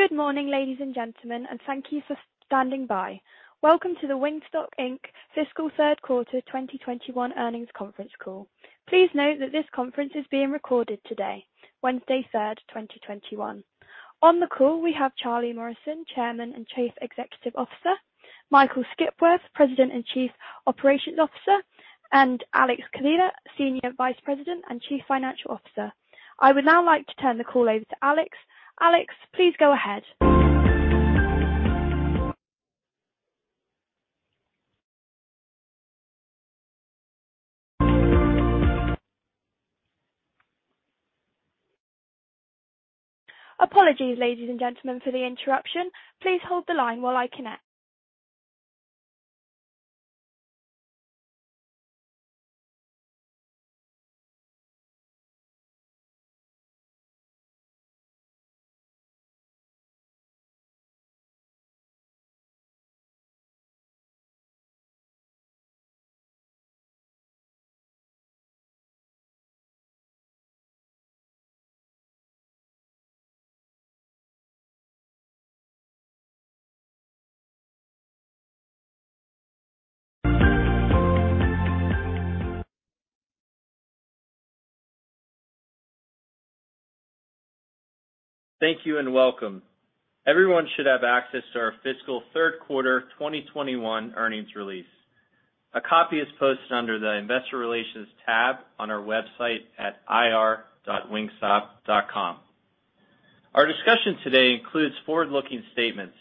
Good morning, ladies and gentlemen, and thank you for standing by. Welcome to the Wingstop Inc. fiscal third quarter 2021 earnings conference call. Please note that this conference is being recorded today, Wednesday, 3rd, 2021. On the call, we have Charlie Morrison, Chairman and Chief Executive Officer, Michael Skipworth, President and Chief Operating Officer, and Alex Kaleida, Senior Vice President and Chief Financial Officer. I would now like to turn the call over to Alex. Alex, please go ahead. Apologies, ladies and gentlemen, for the interruption. Please hold the line while I connect. Thank you and welcome. Everyone should have access to our Fiscal Third Quarter 2021 Earnings Release. A copy is posted under the Investor Relations tab on our website at ir.wingstop.com. Our discussion today includes forward-looking statements.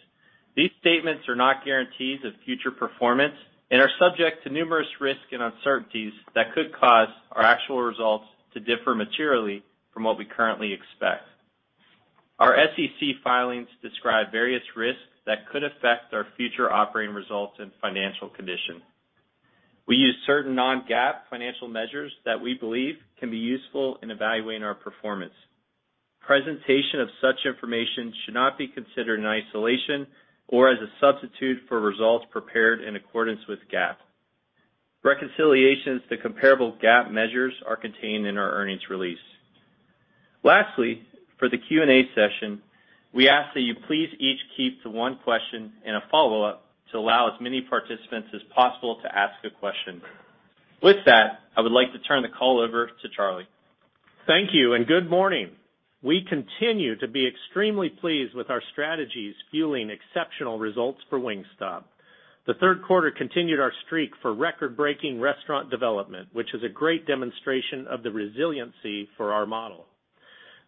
These statements are not guarantees of future performance and are subject to numerous risks and uncertainties that could cause our actual results to differ materially from what we currently expect. Our SEC filings describe various risks that could affect our future operating results and financial condition. We use certain non-GAAP financial measures that we believe can be useful in evaluating our performance. Presentation of such information should not be considered in isolation or as a substitute for results prepared in accordance with GAAP. Reconciliations to comparable GAAP measures are contained in our earnings release. Lastly, for the Q&A session, we ask that you please each keep to one question and a follow-up to allow as many participants as possible to ask a question. With that, I would like to turn the call over to Charlie. Thank you and good morning. We continue to be extremely pleased with our strategies fueling exceptional results for Wingstop. The third quarter continued our streak for record-breaking restaurant development, which is a great demonstration of the resiliency for our model.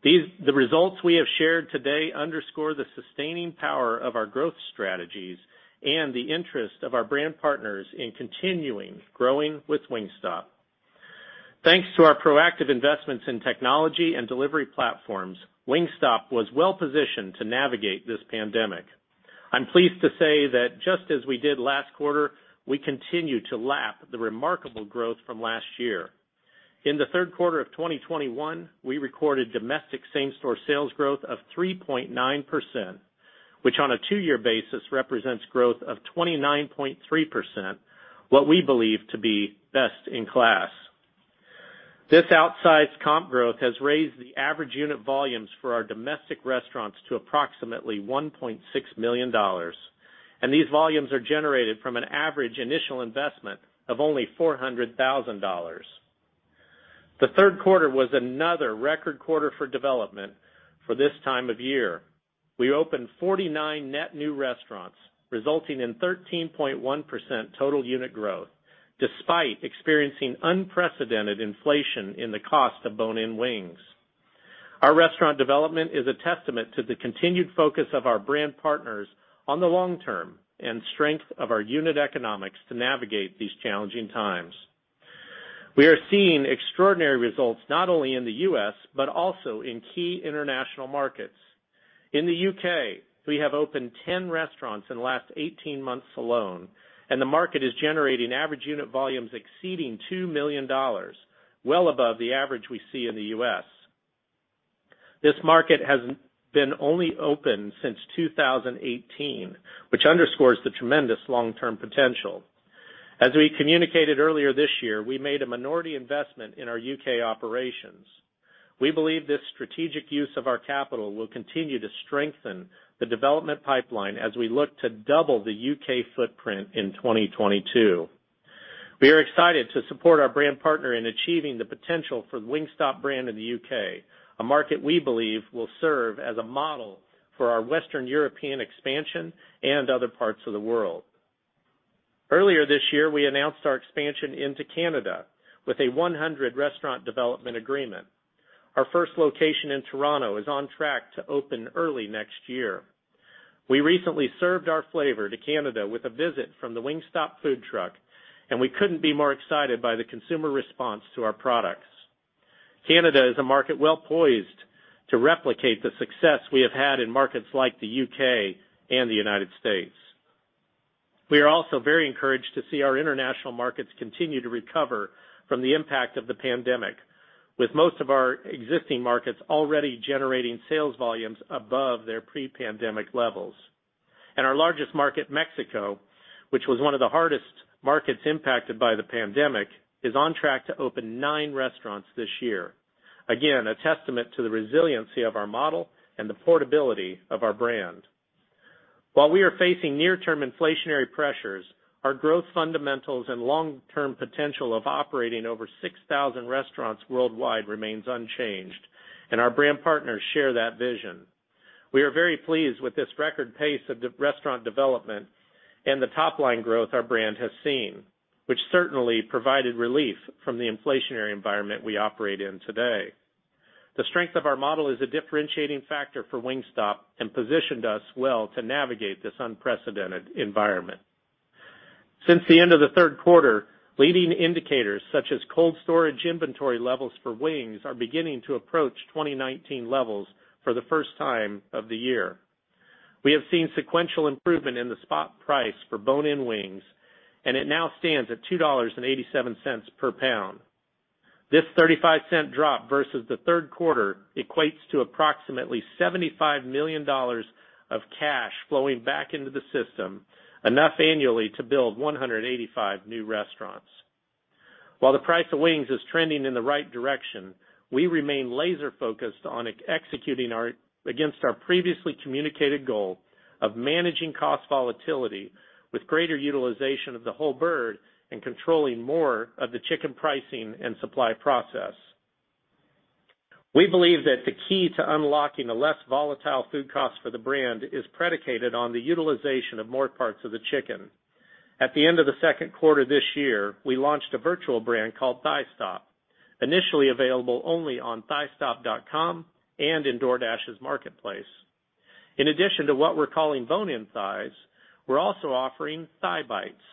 The results we have shared today underscore the sustaining power of our growth strategies and the interest of our brand partners in continuing growing with Wingstop. Thanks to our proactive investments in technology and delivery platforms, Wingstop was well-positioned to navigate this pandemic. I'm pleased to say that just as we did last quarter, we continue to lap the remarkable growth from last year. In the third quarter of 2021, we recorded domestic same-store sales growth of 3.9%, which on a two-year basis represents growth of 29.3%, what we believe to be best in class. This outsized comp growth has raised the average unit volumes for our domestic restaurants to approximately $1.6 million, and these volumes are generated from an average initial investment of only $400,000. The third quarter was another record quarter for development for this time of year. We opened 49 net new restaurants, resulting in 13.1% total unit growth, despite experiencing unprecedented inflation in the cost of bone-in wings. Our restaurant development is a testament to the continued focus of our brand partners on the long term and strength of our unit economics to navigate these challenging times. We are seeing extraordinary results not only in the U.S., but also in key international markets. In the U.K., we have opened 10 restaurants in the last 18 months alone, and the market is generating average unit volumes exceeding $2 million, well above the average we see in the U.S. This market has been only open since 2018, which underscores the tremendous long-term potential. As we communicated earlier this year, we made a minority investment in our U.K. operations. We believe this strategic use of our capital will continue to strengthen the development pipeline as we look to double the U.K. footprint in 2022. We are excited to support our brand partner in achieving the potential for the Wingstop brand in the U.K., a market we believe will serve as a model for our Western European expansion and other parts of the world. Earlier this year, we announced our expansion into Canada with a 100 restaurant development agreement. Our first location in Toronto is on track to open early next year. We recently served our flavors to Canada with a visit from the Wingstop food truck, and we couldn't be more excited by the consumer response to our products. Canada is a market well poised to replicate the success we have had in markets like the U.K. and the United States. We are also very encouraged to see our international markets continue to recover from the impact of the pandemic, with most of our existing markets already generating sales volumes above their pre-pandemic levels. Our largest market, Mexico, which was one of the hardest markets impacted by the pandemic, is on track to open nine restaurants this year. Again, a testament to the resiliency of our model and the portability of our brand. While we are facing near-term inflationary pressures, our growth fundamentals and long-term potential of operating over 6,000 restaurants worldwide remains unchanged, and our brand partners share that vision. We are very pleased with this record pace of restaurant development and the top line growth our brand has seen, which certainly provided relief from the inflationary environment we operate in today. The strength of our model is a differentiating factor for Wingstop and positioned us well to navigate this unprecedented environment. Since the end of the third quarter, leading indicators such as cold storage inventory levels for wings are beginning to approach 2019 levels for the first time of the year. We have seen sequential improvement in the spot price for bone-in wings, and it now stands at $2.87 per pound. This $0.35 Drop versus the third quarter equates to approximately $75 million of cash flowing back into the system, enough annually to build 185 new restaurants. While the price of wings is trending in the right direction, we remain laser-focused on executing against our previously communicated goal of managing cost volatility with greater utilization of the whole bird and controlling more of the chicken pricing and supply process. We believe that the key to unlocking a less volatile food cost for the brand is predicated on the utilization of more parts of the chicken. At the end of the second quarter this year, we launched a virtual brand called Thighstop, initially available only on thighstop.com and in DoorDash's marketplace. In addition to what we're calling bone-in thighs, we're also offering Thigh Bites,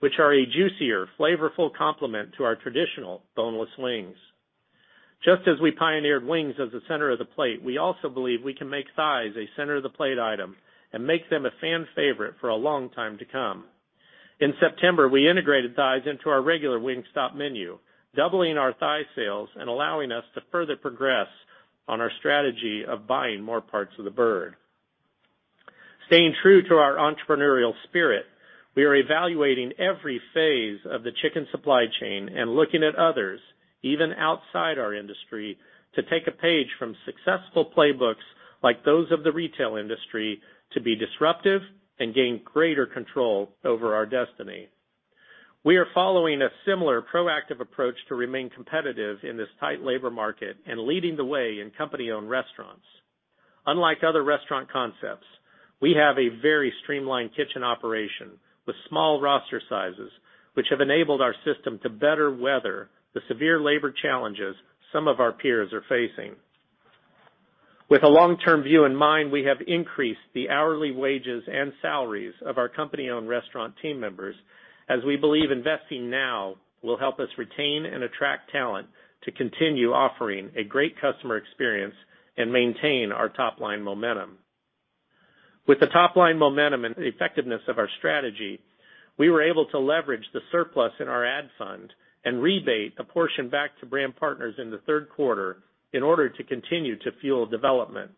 which are a juicier, flavorful complement to our traditional boneless wings. Just as we pioneered wings as the center of the plate, we also believe we can make thighs a center of the plate item and make them a fan favorite for a long time to come. In September, we integrated thighs into our regular Wingstop menu, doubling our thigh sales and allowing us to further progress on our strategy of buying more parts of the bird. Staying true to our entrepreneurial spirit, we are evaluating every phase of the chicken supply chain and looking at others, even outside our industry, to take a page from successful playbooks like those of the retail industry to be disruptive and gain greater control over our destiny. We are following a similar proactive approach to remain competitive in this tight labor market and leading the way in company-owned restaurants. Unlike other restaurant concepts, we have a very streamlined kitchen operation with small roster sizes, which have enabled our system to better weather the severe labor challenges some of our peers are facing. With a long-term view in mind, we have increased the hourly wages and salaries of our company-owned restaurant team members, as we believe investing now will help us retain and attract talent to continue offering a great customer experience and maintain our top line momentum. With the top line momentum and the effectiveness of our strategy, we were able to leverage the surplus in our ad fund and rebate a portion back to brand partners in the third quarter in order to continue to fuel development.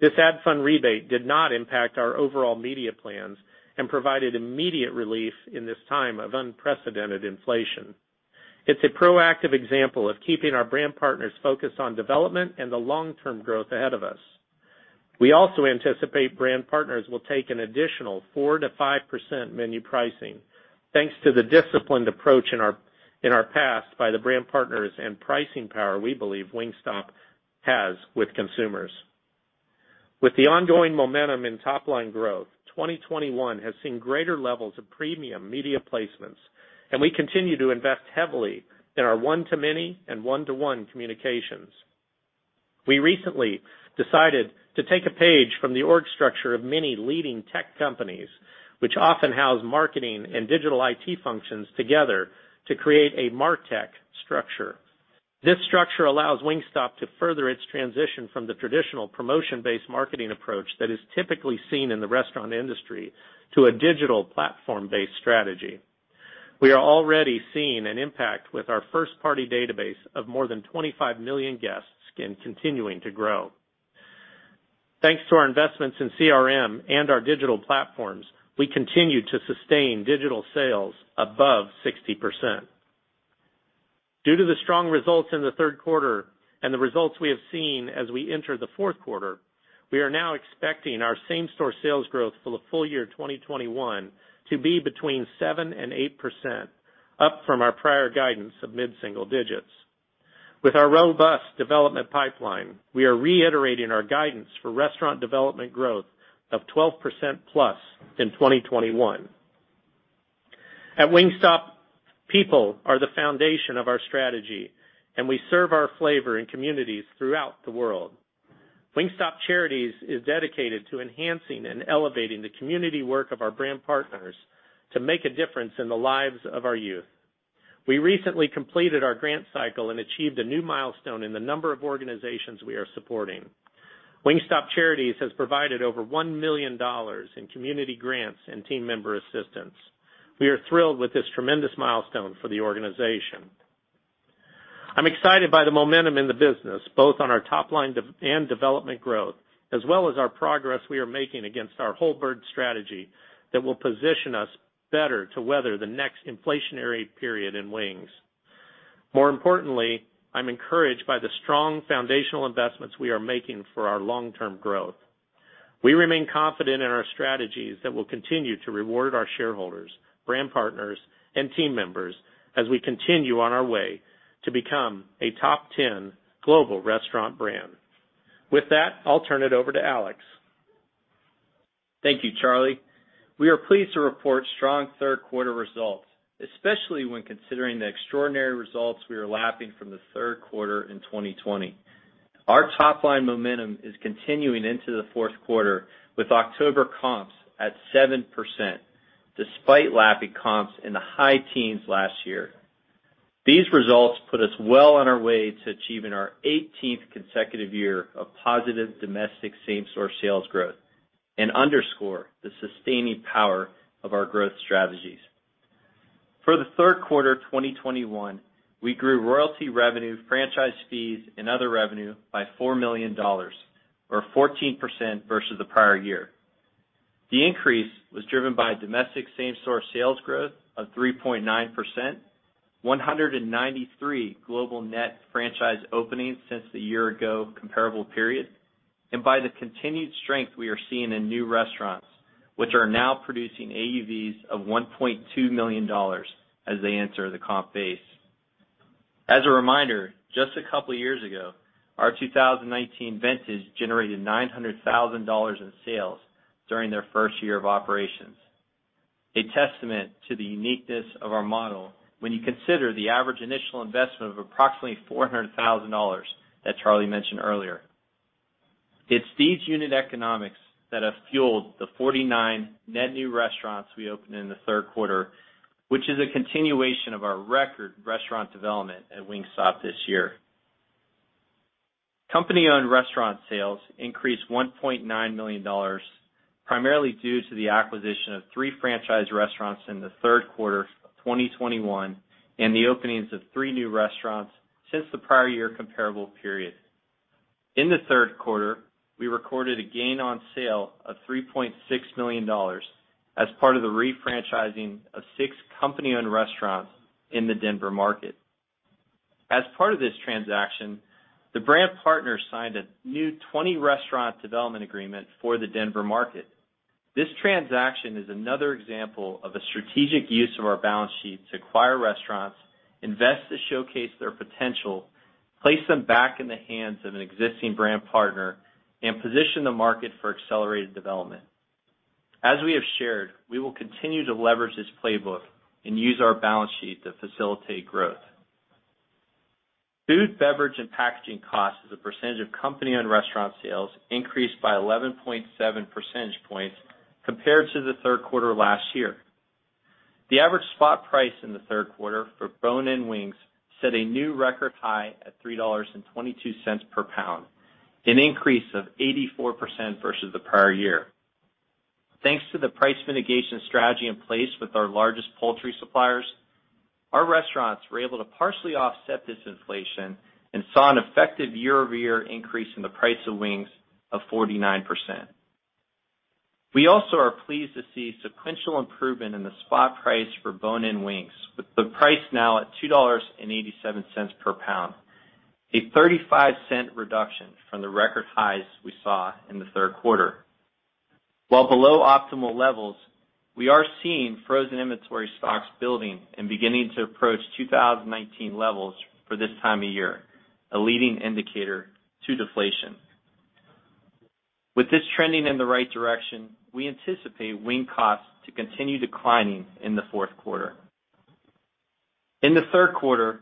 This ad fund rebate did not impact our overall media plans and provided immediate relief in this time of unprecedented inflation. It's a proactive example of keeping our brand partners focused on development and the long-term growth ahead of us. We also anticipate brand partners will take an additional 4%-5% menu pricing, thanks to the disciplined approach in our past by the brand partners and pricing power we believe Wingstop has with consumers. With the ongoing momentum in top line growth, 2021 has seen greater levels of premium media placements, and we continue to invest heavily in our one-to-many and one-to-one communications. We recently decided to take a page from the org structure of many leading tech companies, which often house marketing and digital IT functions together to create a MarTech structure. This structure allows Wingstop to further its transition from the traditional promotion-based marketing approach that is typically seen in the restaurant industry to a digital platform-based strategy. We are already seeing an impact with our first-party database of more than 25 million guests and continuing to grow. Thanks to our investments in CRM and our digital platforms, we continue to sustain digital sales above 60%. Due to the strong results in the third quarter and the results we have seen as we enter the fourth quarter, we are now expecting our same-store sales growth for the full year 2021 to be between 7% and 8%, up from our prior guidance of mid-single digits. With our robust development pipeline, we are reiterating our guidance for restaurant development growth of 12%+ in 2021. At Wingstop, people are the foundation of our strategy, and we serve our flavor in communities throughout the world. Wingstop Charities is dedicated to enhancing and elevating the community work of our brand partners to make a difference in the lives of our youth. We recently completed our grant cycle and achieved a new milestone in the number of organizations we are supporting. Wingstop Charities has provided over $1 million in community grants and team member assistance. We are thrilled with this tremendous milestone for the organization. I'm excited by the momentum in the business, both on our top line and development growth, as well as our progress we are making against our whole bird strategy that will position us better to weather the next inflationary period in wings. More importantly, I'm encouraged by the strong foundational investments we are making for our long-term growth. We remain confident in our strategies that will continue to reward our shareholders, brand partners, and team members as we continue on our way to become a top ten global restaurant brand. With that, I'll turn it over to Alex. Thank you, Charlie. We are pleased to report strong third quarter results, especially when considering the extraordinary results we are lapping from the third quarter in 2020. Our top line momentum is continuing into the fourth quarter, with October comps at 7% despite lapping comps in the high teens last year. These results put us well on our way to achieving our 18th consecutive year of positive domestic same-store sales growth and underscore the sustaining power of our growth strategies. For the third quarter of 2021, we grew royalty revenue, franchise fees, and other revenue by $4 million, or 14% versus the prior year. The increase was driven by domestic same-store sales growth of 3.9%, 193 global net franchise openings since the year-ago comparable period, and by the continued strength we are seeing in new restaurants, which are now producing AUVs of $1.2 million as they enter the comp base. As a reminder, just a couple years ago, our 2019 vintage generated $900,000 in sales during their first year of operations, a testament to the uniqueness of our model when you consider the average initial investment of approximately $400,000 that Charlie mentioned earlier. It's these unit economics that have fueled the 49 net new restaurants we opened in the third quarter, which is a continuation of our record restaurant development at Wingstop this year. Company-owned restaurant sales increased $1.9 million, primarily due to the acquisition of three franchise restaurants in the third quarter of 2021 and the openings of three new restaurants since the prior year comparable period. In the third quarter, we recorded a gain on sale of $3.6 million as part of the refranchising of six company-owned restaurants in the Denver market. As part of this transaction, the brand partner signed a new 20-restaurant development agreement for the Denver market. This transaction is another example of a strategic use of our balance sheet to acquire restaurants, invest to showcase their potential, place them back in the hands of an existing brand partner, and position the market for accelerated development. As we have shared, we will continue to leverage this playbook and use our balance sheet to facilitate growth. Food, beverage, and packaging costs as a percentage of company-owned restaurant sales increased by 11.7 percentage points compared to the third quarter last year. The average spot price in the third quarter for bone-in wings set a new record high at $3.22 per pound, an increase of 84% versus the prior year. Thanks to the price mitigation strategy in place with our largest poultry suppliers, our restaurants were able to partially offset this inflation and saw an effective year-over-year increase in the price of wings of 49%. We also are pleased to see sequential improvement in the spot price for bone-in wings, with the price now at $2.87 per pound, a $0.35 Reduction from the record highs we saw in the third quarter. While below optimal levels, we are seeing frozen inventory stocks building and beginning to approach 2019 levels for this time of year, a leading indicator to deflation. With this trending in the right direction, we anticipate wing costs to continue declining in the fourth quarter. In the third quarter,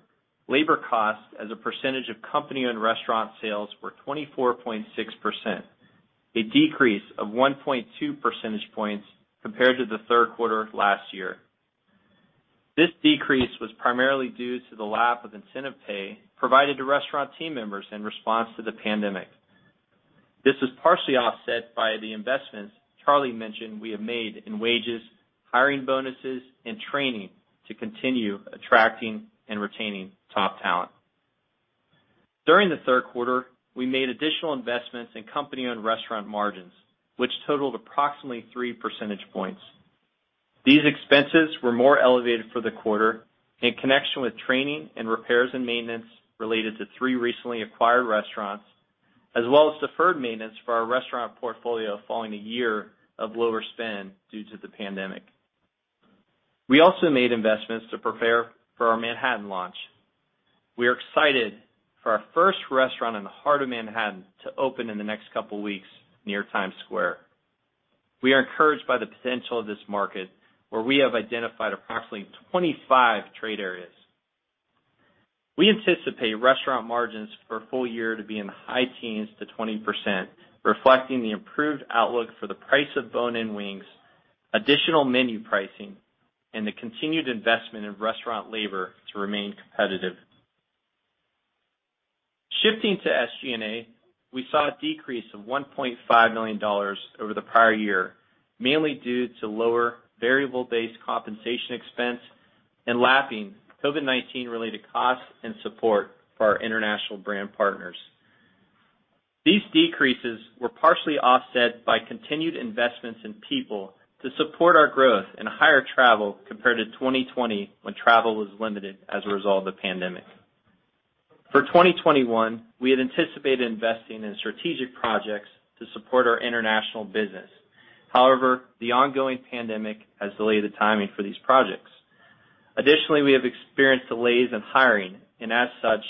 labor costs as a percentage of company-owned restaurant sales were 24.6%, a decrease of 1.2 percentage points compared to the third quarter of last year. This decrease was primarily due to the lap of incentive pay provided to restaurant team members in response to the pandemic. This was partially offset by the investments Charlie mentioned we have made in wages, hiring bonuses, and training to continue attracting and retaining top talent. During the third quarter, we made additional investments in company-owned restaurant margins, which totaled approximately 3 percentage points. These expenses were more elevated for the quarter in connection with training and repairs and maintenance related to three recently acquired restaurants as well as deferred maintenance for our restaurant portfolio following a year of lower spend due to the pandemic. We also made investments to prepare for our Manhattan launch. We are excited for our first restaurant in the heart of Manhattan to open in the next couple weeks near Times Square. We are encouraged by the potential of this market, where we have identified approximately 25 trade areas. We anticipate restaurant margins for full year to be in the high teens to 20%, reflecting the improved outlook for the price of bone-in wings, additional menu pricing, and the continued investment in restaurant labor to remain competitive. Shifting to SG&A, we saw a decrease of $1.5 million over the prior year, mainly due to lower variable-based compensation expense and lapping COVID-19 related costs and support for our international brand partners. These decreases were partially offset by continued investments in people to support our growth and higher travel compared to 2020 when travel was limited as a result of the pandemic. For 2021, we had anticipated investing in strategic projects to support our international business. However, the ongoing pandemic has delayed the timing for these projects. Additionally, we have experienced delays in hiring, and as such,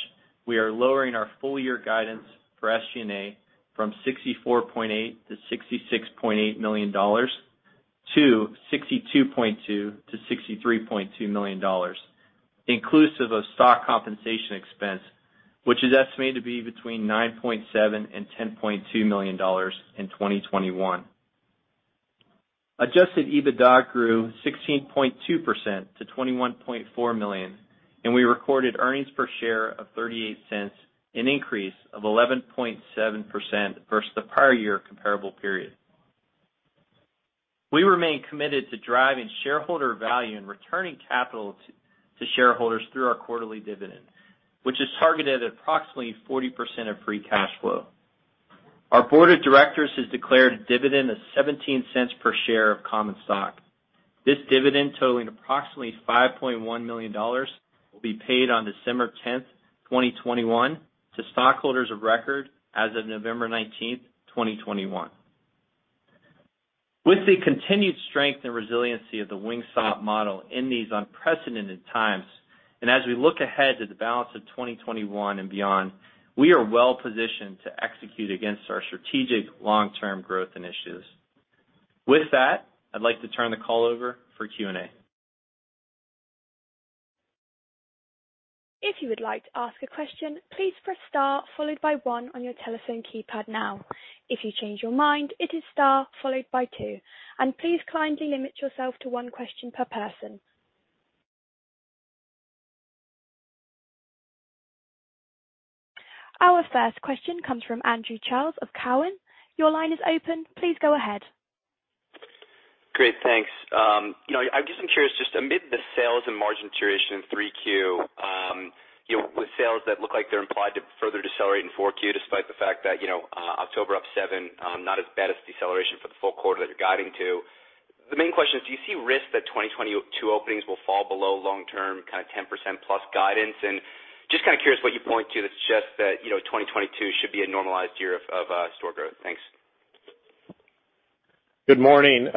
we are lowering our full year guidance for SG&A from $64.8 million to $66.8 million to $62.2 million to $63.2 million, inclusive of stock compensation expense, which is estimated to be between $9.7 and $10.2 million in 2021. Adjusted EBITDA grew 16.2% to $21.4 million, and we recorded earnings per share of $0.38, an increase of 11.7% versus the prior year comparable period. We remain committed to driving shareholder value and returning capital to shareholders through our quarterly dividend, which is targeted at approximately 40% of free cash flow. Our board of directors has declared a dividend of $0.17 per share of common stock. This dividend, totaling approximately $5.1 million, will be paid on December 10, 2021 to stockholders of record as of November 19, 2021. With the continued strength and resiliency of the Wingstop model in these unprecedented times, and as we look ahead to the balance of 2021 and beyond, we are well positioned to execute against our strategic long-term growth initiatives. With that, I'd like to turn the call over for Q&A. If you would like to ask a question, please press star followed by one on your telephone keypad now. If you change your mind, it is star followed by two, and please kindly limit yourself to one question per person. Our first question comes from Andrew Charles of Cowen. Your line is open. Please go ahead. Great. Thanks. I'm just curious, just amid the sales and margin curation in 3Q, with sales that look like they're implied to further decelerate in 4Q, despite the fact that October up 7%, not as bad as deceleration for the full quarter that you're guiding to. The main question is, do you see risks that 2022 openings will fall below long-term kind of 10% plus guidance? Just kind of curious what you point to that suggests that 2022 should be a normalized year of store growth. Thanks. Good morning.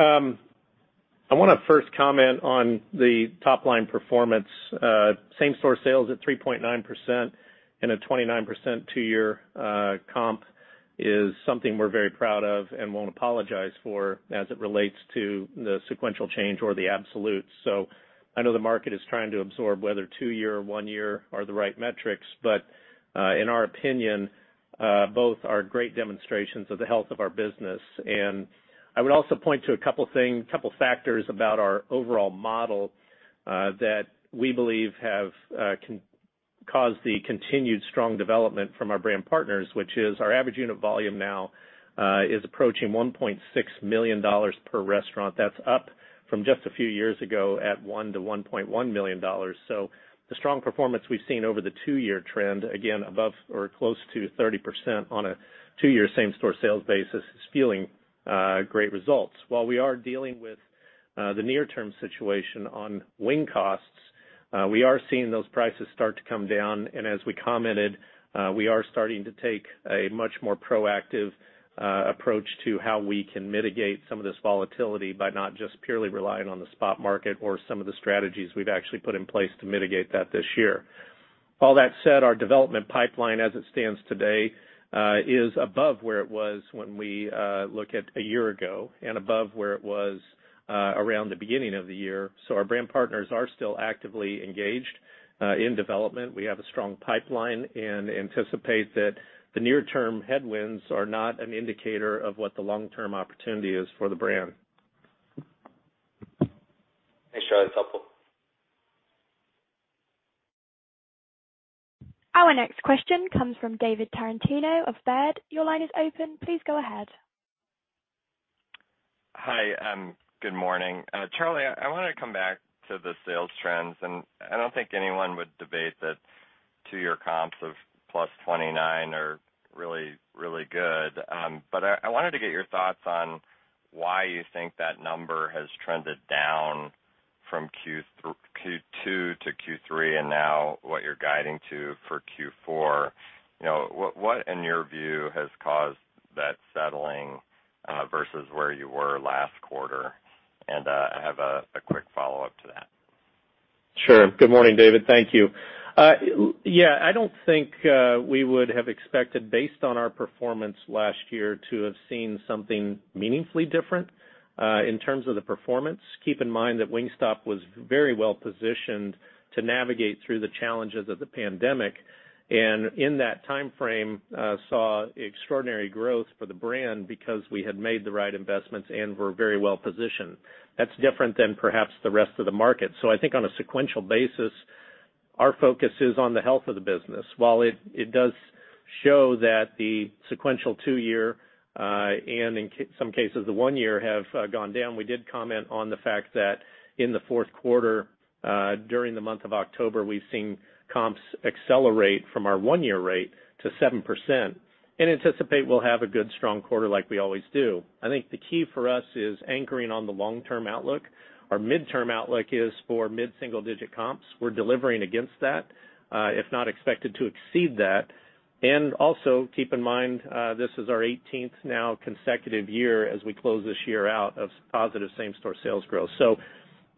I wanna first comment on the top line performance. Same store sales at 3.9% and a 29% two-year comp is something we're very proud of and won't apologize for as it relates to the sequential change or the absolute. I know the market is trying to absorb whether two-year or one-year are the right metrics, but in our opinion both are great demonstrations of the health of our business. I would also point to a couple factors about our overall model that we believe have caused the continued strong development from our brand partners, which is our average unit volume now is approaching $1.6 million per restaurant. That's up from just a few years ago at $1 million to $1.1 million. The strong performance we've seen over the two-year trend, again above or close to 30% on a two-year same store sales basis is fueling great results. While we are dealing with the near term situation on wing costs, we are seeing those prices start to come down. As we commented, we are starting to take a much more proactive approach to how we can mitigate some of this volatility by not just purely relying on the spot market or some of the strategies we've actually put in place to mitigate that this year. All that said, our development pipeline as it stands today is above where it was when we look at a year ago and above where it was around the beginning of the year. Our brand partners are still actively engaged in development. We have a strong pipeline and anticipate that the near term headwinds are not an indicator of what the long-term opportunity is for the brand. Thanks, Charlie. That's helpful. Our next question comes from David Tarantino of Baird. Your line is open. Please go ahead. Hi, good morning. Charlie, I wanna come back to the sales trends, and I don't think anyone would debate that two-year comps of +29 are really, really good. But I wanted to get your thoughts on why you think that number has trended down from Q2 to Q3 and now what you're guiding to for Q4. You know, what in your view has caused that settling versus where you were last quarter? I have a quick follow-up to that. Sure. Good morning, David. Thank you. Yeah, I don't think we would have expected based on our performance last year to have seen something meaningfully different in terms of the performance. Keep in mind that Wingstop was very well positioned to navigate through the challenges of the pandemic, and in that timeframe, saw extraordinary growth for the brand because we had made the right investments and were very well positioned. That's different than perhaps the rest of the market. I think on a sequential basis. Our focus is on the health of the business. While it does show that the sequential two-year and in some cases, the one year have gone down, we did comment on the fact that in the fourth quarter, during the month of October, we've seen comps accelerate from our one-year rate to 7% and anticipate we'll have a good strong quarter like we always do. I think the key for us is anchoring on the long-term outlook. Our midterm outlook is for mid-single-digit comps. We're delivering against that, if not expected to exceed that. Also keep in mind, this is our 18th now consecutive year as we close this year out of positive same-store sales growth.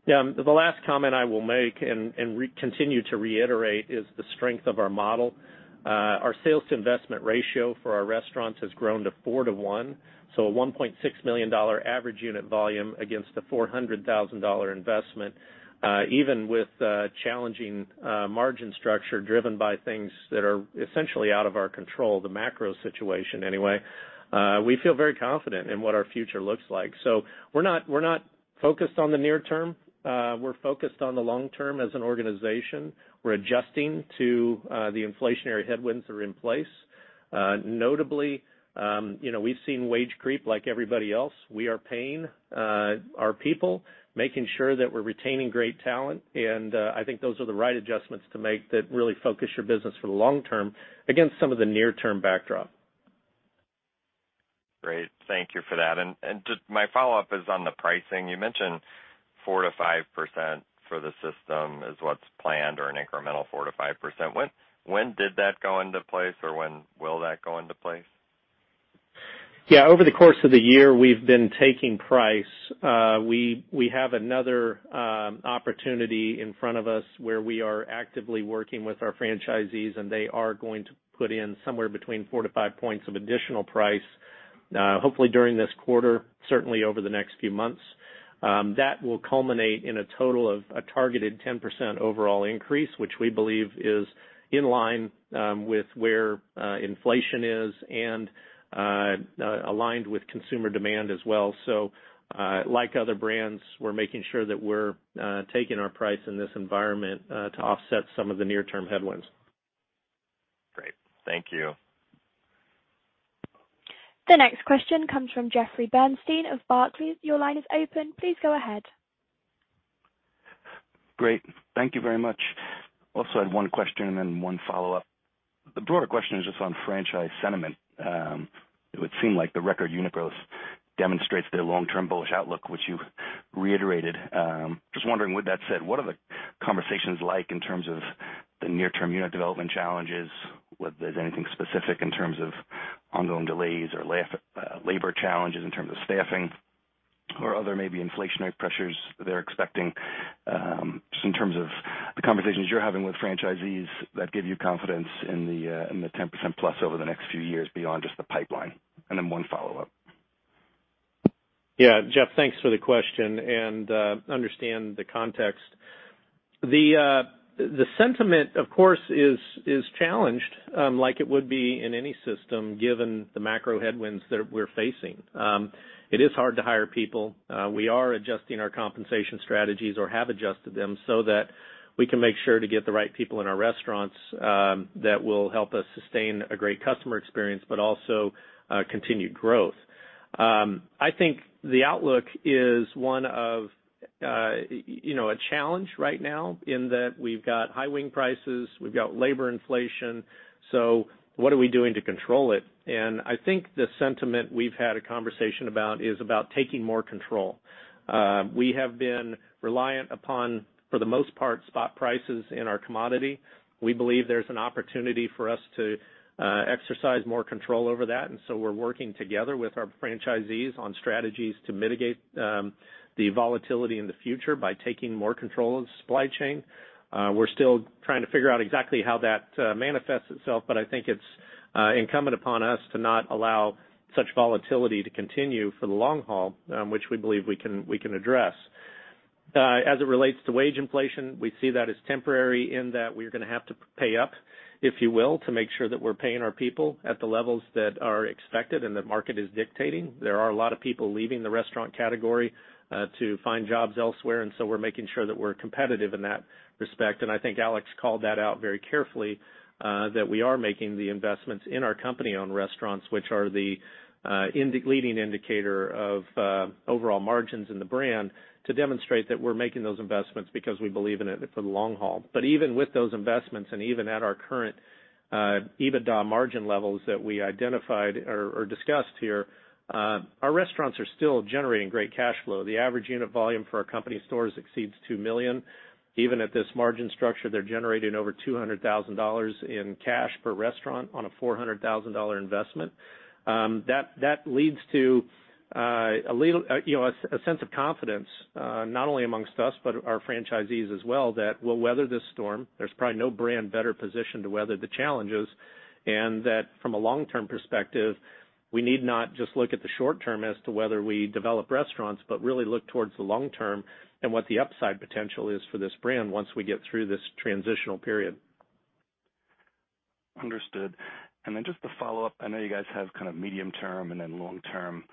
The last comment I will make and continue to reiterate is the strength of our model. Our sales to investment ratio for our restaurants has grown to 4-to-1, so a $1.6 million average unit volume against a $400,000 investment. Even with the challenging margin structure driven by things that are essentially out of our control, the macro situation anyway, we feel very confident in what our future looks like. We're not focused on the near term. We're focused on the long term as an organization. We're adjusting to the inflationary headwinds that are in place. Notably, you know, we've seen wage creep like everybody else. We are paying our people, making sure that we're retaining great talent, and I think those are the right adjustments to make that really focus your business for the long term against some of the near-term backdrop. Great. Thank you for that. Just my follow-up is on the pricing. You mentioned 4%-5% for the system is what's planned or an incremental 4%-5%. When did that go into place, or when will that go into place? Yeah. Over the course of the year, we've been taking price. We have another opportunity in front of us where we are actively working with our franchisees, and they are going to put in somewhere between 4-5 points of additional price, hopefully during this quarter, certainly over the next few months. That will culminate in a total of a targeted 10% overall increase, which we believe is in line with where inflation is and aligned with consumer demand as well. Like other brands, we're making sure that we're taking our price in this environment to offset some of the near-term headwinds. Great. Thank you. The next question comes from Jeffrey Bernstein of Barclays. Your line is open. Please go ahead. Great. Thank you very much. Also had one question and then one follow-up. The broader question is just on franchise sentiment. It would seem like the record unit growth demonstrates their long-term bullish outlook, which you've reiterated. Just wondering, with that said, what are the conversations like in terms of the near-term unit development challenges, whether there's anything specific in terms of ongoing delays or labor challenges in terms of staffing or other maybe inflationary pressures they're expecting, just in terms of the conversations you're having with franchisees that give you confidence in the in the 10%+ over the next few years beyond just the pipeline, and then one follow-up. Yeah. Jeff, thanks for the question and understand the context. The sentiment of course is challenged, like it would be in any system given the macro headwinds that we're facing. It is hard to hire people. We are adjusting our compensation strategies or have adjusted them so that we can make sure to get the right people in our restaurants, that will help us sustain a great customer experience, but also continued growth. I think the outlook is one of, you know, a challenge right now in that we've got high wing prices, we've got labor inflation, so what are we doing to control it? I think the sentiment we've had a conversation about is about taking more control. We have been reliant upon, for the most part, spot prices in our commodity. We believe there's an opportunity for us to exercise more control over that, and so we're working together with our franchisees on strategies to mitigate the volatility in the future by taking more control of the supply chain. We're still trying to figure out exactly how that manifests itself, but I think it's incumbent upon us to not allow such volatility to continue for the long haul, which we believe we can address. As it relates to wage inflation, we see that as temporary in that we are gonna have to pay up, if you will, to make sure that we're paying our people at the levels that are expected and the market is dictating. There are a lot of people leaving the restaurant category to find jobs elsewhere, and so we're making sure that we're competitive in that respect. I think Alex called that out very carefully, that we are making the investments in our company-owned restaurants, which are the leading indicator of overall margins in the brand to demonstrate that we're making those investments because we believe in it for the long haul. Even with those investments and even at our current EBITDA margin levels that we identified or discussed here, our restaurants are still generating great cash flow. The average unit volume for our company stores exceeds $2 million. Even at this margin structure, they're generating over $200,000 in cash per restaurant on a $400,000 investment. That leads to a little, you know, a sense of confidence not only amongst us but our franchisees as well that we'll weather this storm. There's probably no brand better positioned to weather the challenges. That from a long-term perspective, we need not just look at the short term as to whether we develop restaurants, but really look towards the long term and what the upside potential is for this brand once we get through this transitional period. Understood. Just to follow up, I know you guys have kind of medium-term and then long-term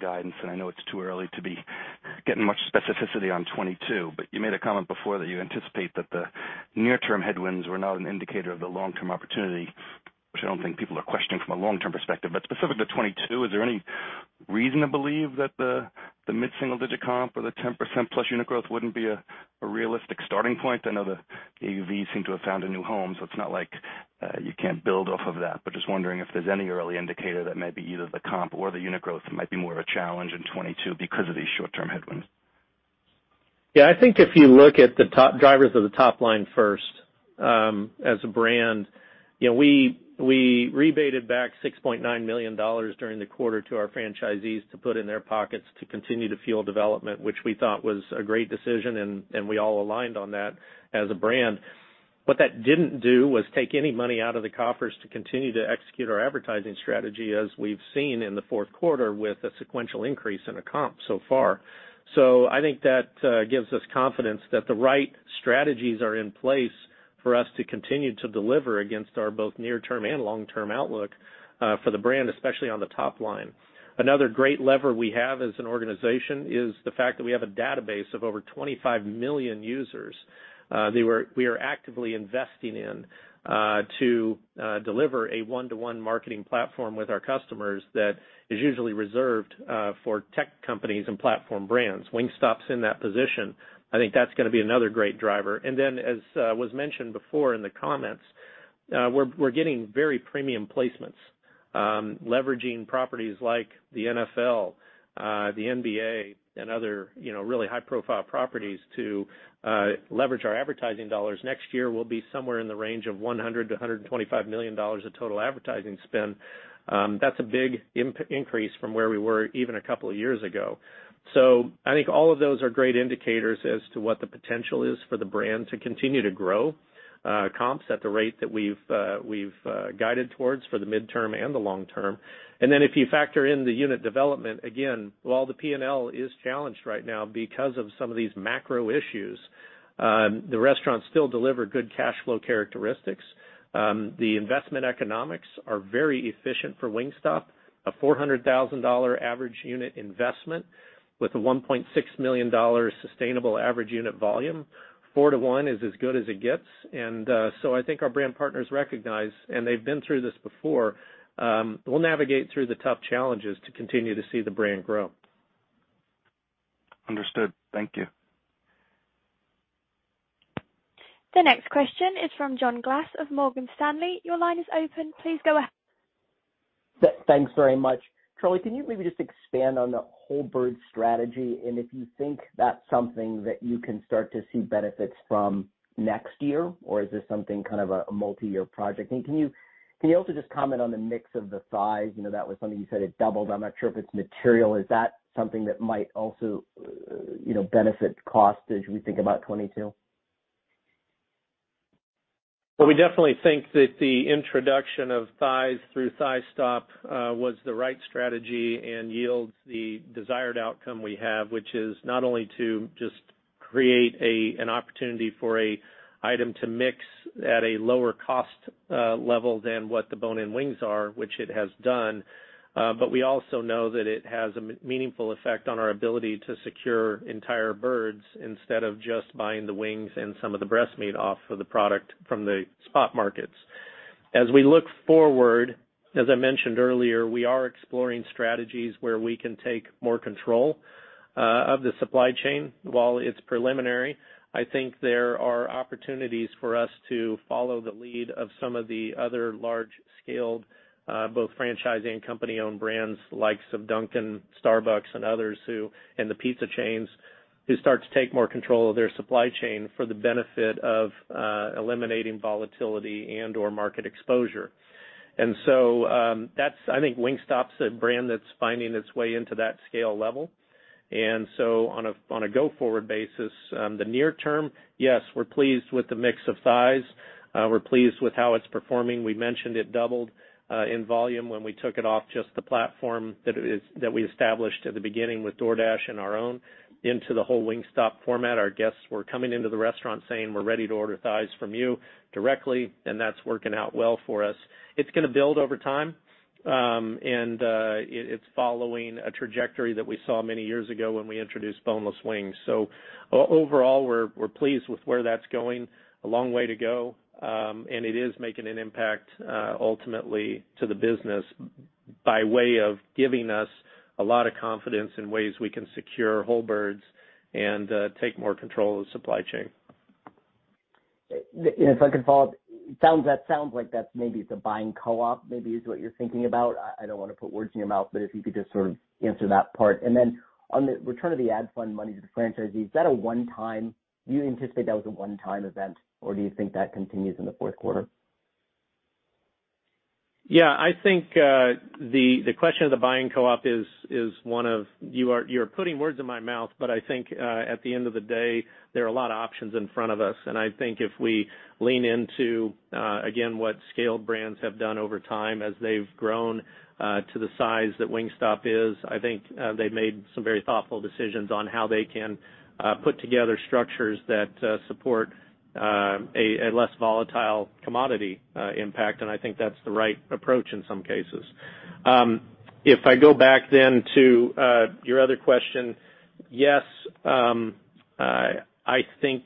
guidance, and I know it's too early to be getting much specificity on 2022. You made a comment before that you anticipate that the near-term headwinds were not an indicator of the long-term opportunity, which I don't think people are questioning from a long-term perspective. Specific to 2022, is there any reason to believe that the mid-single digit comp or the 10% plus unit growth wouldn't be a realistic starting point? I know the AUV seem to have found a new home, so it's not like you can't build off of that. Just wondering if there's any early indicator that maybe either the comp or the unit growth might be more of a challenge in 2022 because of these short-term headwinds. Yeah, I think if you look at the top drivers of the top line first, as a brand, you know, we rebated back $6.9 million during the quarter to our franchisees to put in their pockets to continue to fuel development, which we thought was a great decision, and we all aligned on that as a brand. What that didn't do was take any money out of the coffers to continue to execute our advertising strategy, as we've seen in the fourth quarter with a sequential increase in a comp so far. I think that gives us confidence that the right strategies are in place for us to continue to deliver against our both near-term and long-term outlook for the brand, especially on the top line. Another great lever we have as an organization is the fact that we have a database of over 25 million users that we are actively investing in to deliver a one-to-one marketing platform with our customers that is usually reserved for tech companies and platform brands. Wingstop's in that position. I think that's gonna be another great driver. Then, as was mentioned before in the comments, we're getting very premium placements, leveraging properties like the NFL, the NBA and other, you know, really high profile properties to leverage our advertising dollars. Next year, we'll be somewhere in the range of $100 million to $125 million of total advertising spend. That's a big increase from where we were even a couple of years ago. I think all of those are great indicators as to what the potential is for the brand to continue to grow comps at the rate that we've guided towards for the midterm and the long term. If you factor in the unit development, again, while the P&L is challenged right now because of some of these macro issues, the restaurants still deliver good cash flow characteristics. The investment economics are very efficient for Wingstop. A $400,000 average unit investment with a $1.6 million sustainable average unit volume, 4-to-1 is as good as it gets. I think our brand partners recognize, and they've been through this before, we'll navigate through the tough challenges to continue to see the brand grow. Understood. Thank you. The next question is from John Glass of Morgan Stanley. Your line is open. Please go ahead. Thanks very much. Charlie, can you maybe just expand on the whole bird strategy and if you think that's something that you can start to see benefits from next year? Or is this something kind of a multiyear project? And can you also just comment on the mix of the thighs? You know, that was something you said had doubled. I'm not sure if it's material. Is that something that might also, you know, benefit cost as we think about 2022? We definitely think that the introduction of thighs through Thighstop was the right strategy and yields the desired outcome we have, which is not only to just create an opportunity for an item to mix at a lower cost level than what the bone-in wings are, which it has done. But we also know that it has a meaningful effect on our ability to secure entire birds instead of just buying the wings and some of the breast meat off of the product from the spot markets. As we look forward, as I mentioned earlier, we are exploring strategies where we can take more control of the supply chain. While it's preliminary, I think there are opportunities for us to follow the lead of some of the other large-scale, both franchisee and company-owned brands like Dunkin', Starbucks and others who, and the pizza chains, who start to take more control of their supply chain for the benefit of, eliminating volatility and/or market exposure. That's. I think Wingstop's a brand that's finding its way into that scale level. On a go-forward basis, the near term, yes, we're pleased with the mix of thighs. We're pleased with how it's performing. We mentioned it doubled in volume when we took it off just the platform that we established at the beginning with DoorDash and our own into the whole Wingstop format. Our guests were coming into the restaurant saying, "We're ready to order thighs from you directly," and that's working out well for us. It's gonna build over time, and it's following a trajectory that we saw many years ago when we introduced boneless wings. Overall, we're pleased with where that's going, a long way to go, and it is making an impact, ultimately to the business by way of giving us a lot of confidence in ways we can secure whole birds and take more control of the supply chain. If I could follow up, sounds like that's maybe it's a buying co-op, maybe is what you're thinking about. I don't wanna put words in your mouth, but if you could just sort of answer that part. On the return of the ad fund money to the franchisees, do you anticipate that was a one-time event, or do you think that continues in the fourth quarter? Yeah. I think the question of the buying co-op is you are putting words in my mouth, but I think at the end of the day, there are a lot of options in front of us. I think if we lean into again what scaled brands have done over time as they've grown to the size that Wingstop is, I think they've made some very thoughtful decisions on how they can put together structures that support a less volatile commodity impact, and I think that's the right approach in some cases. If I go back then to your other question, yes, I think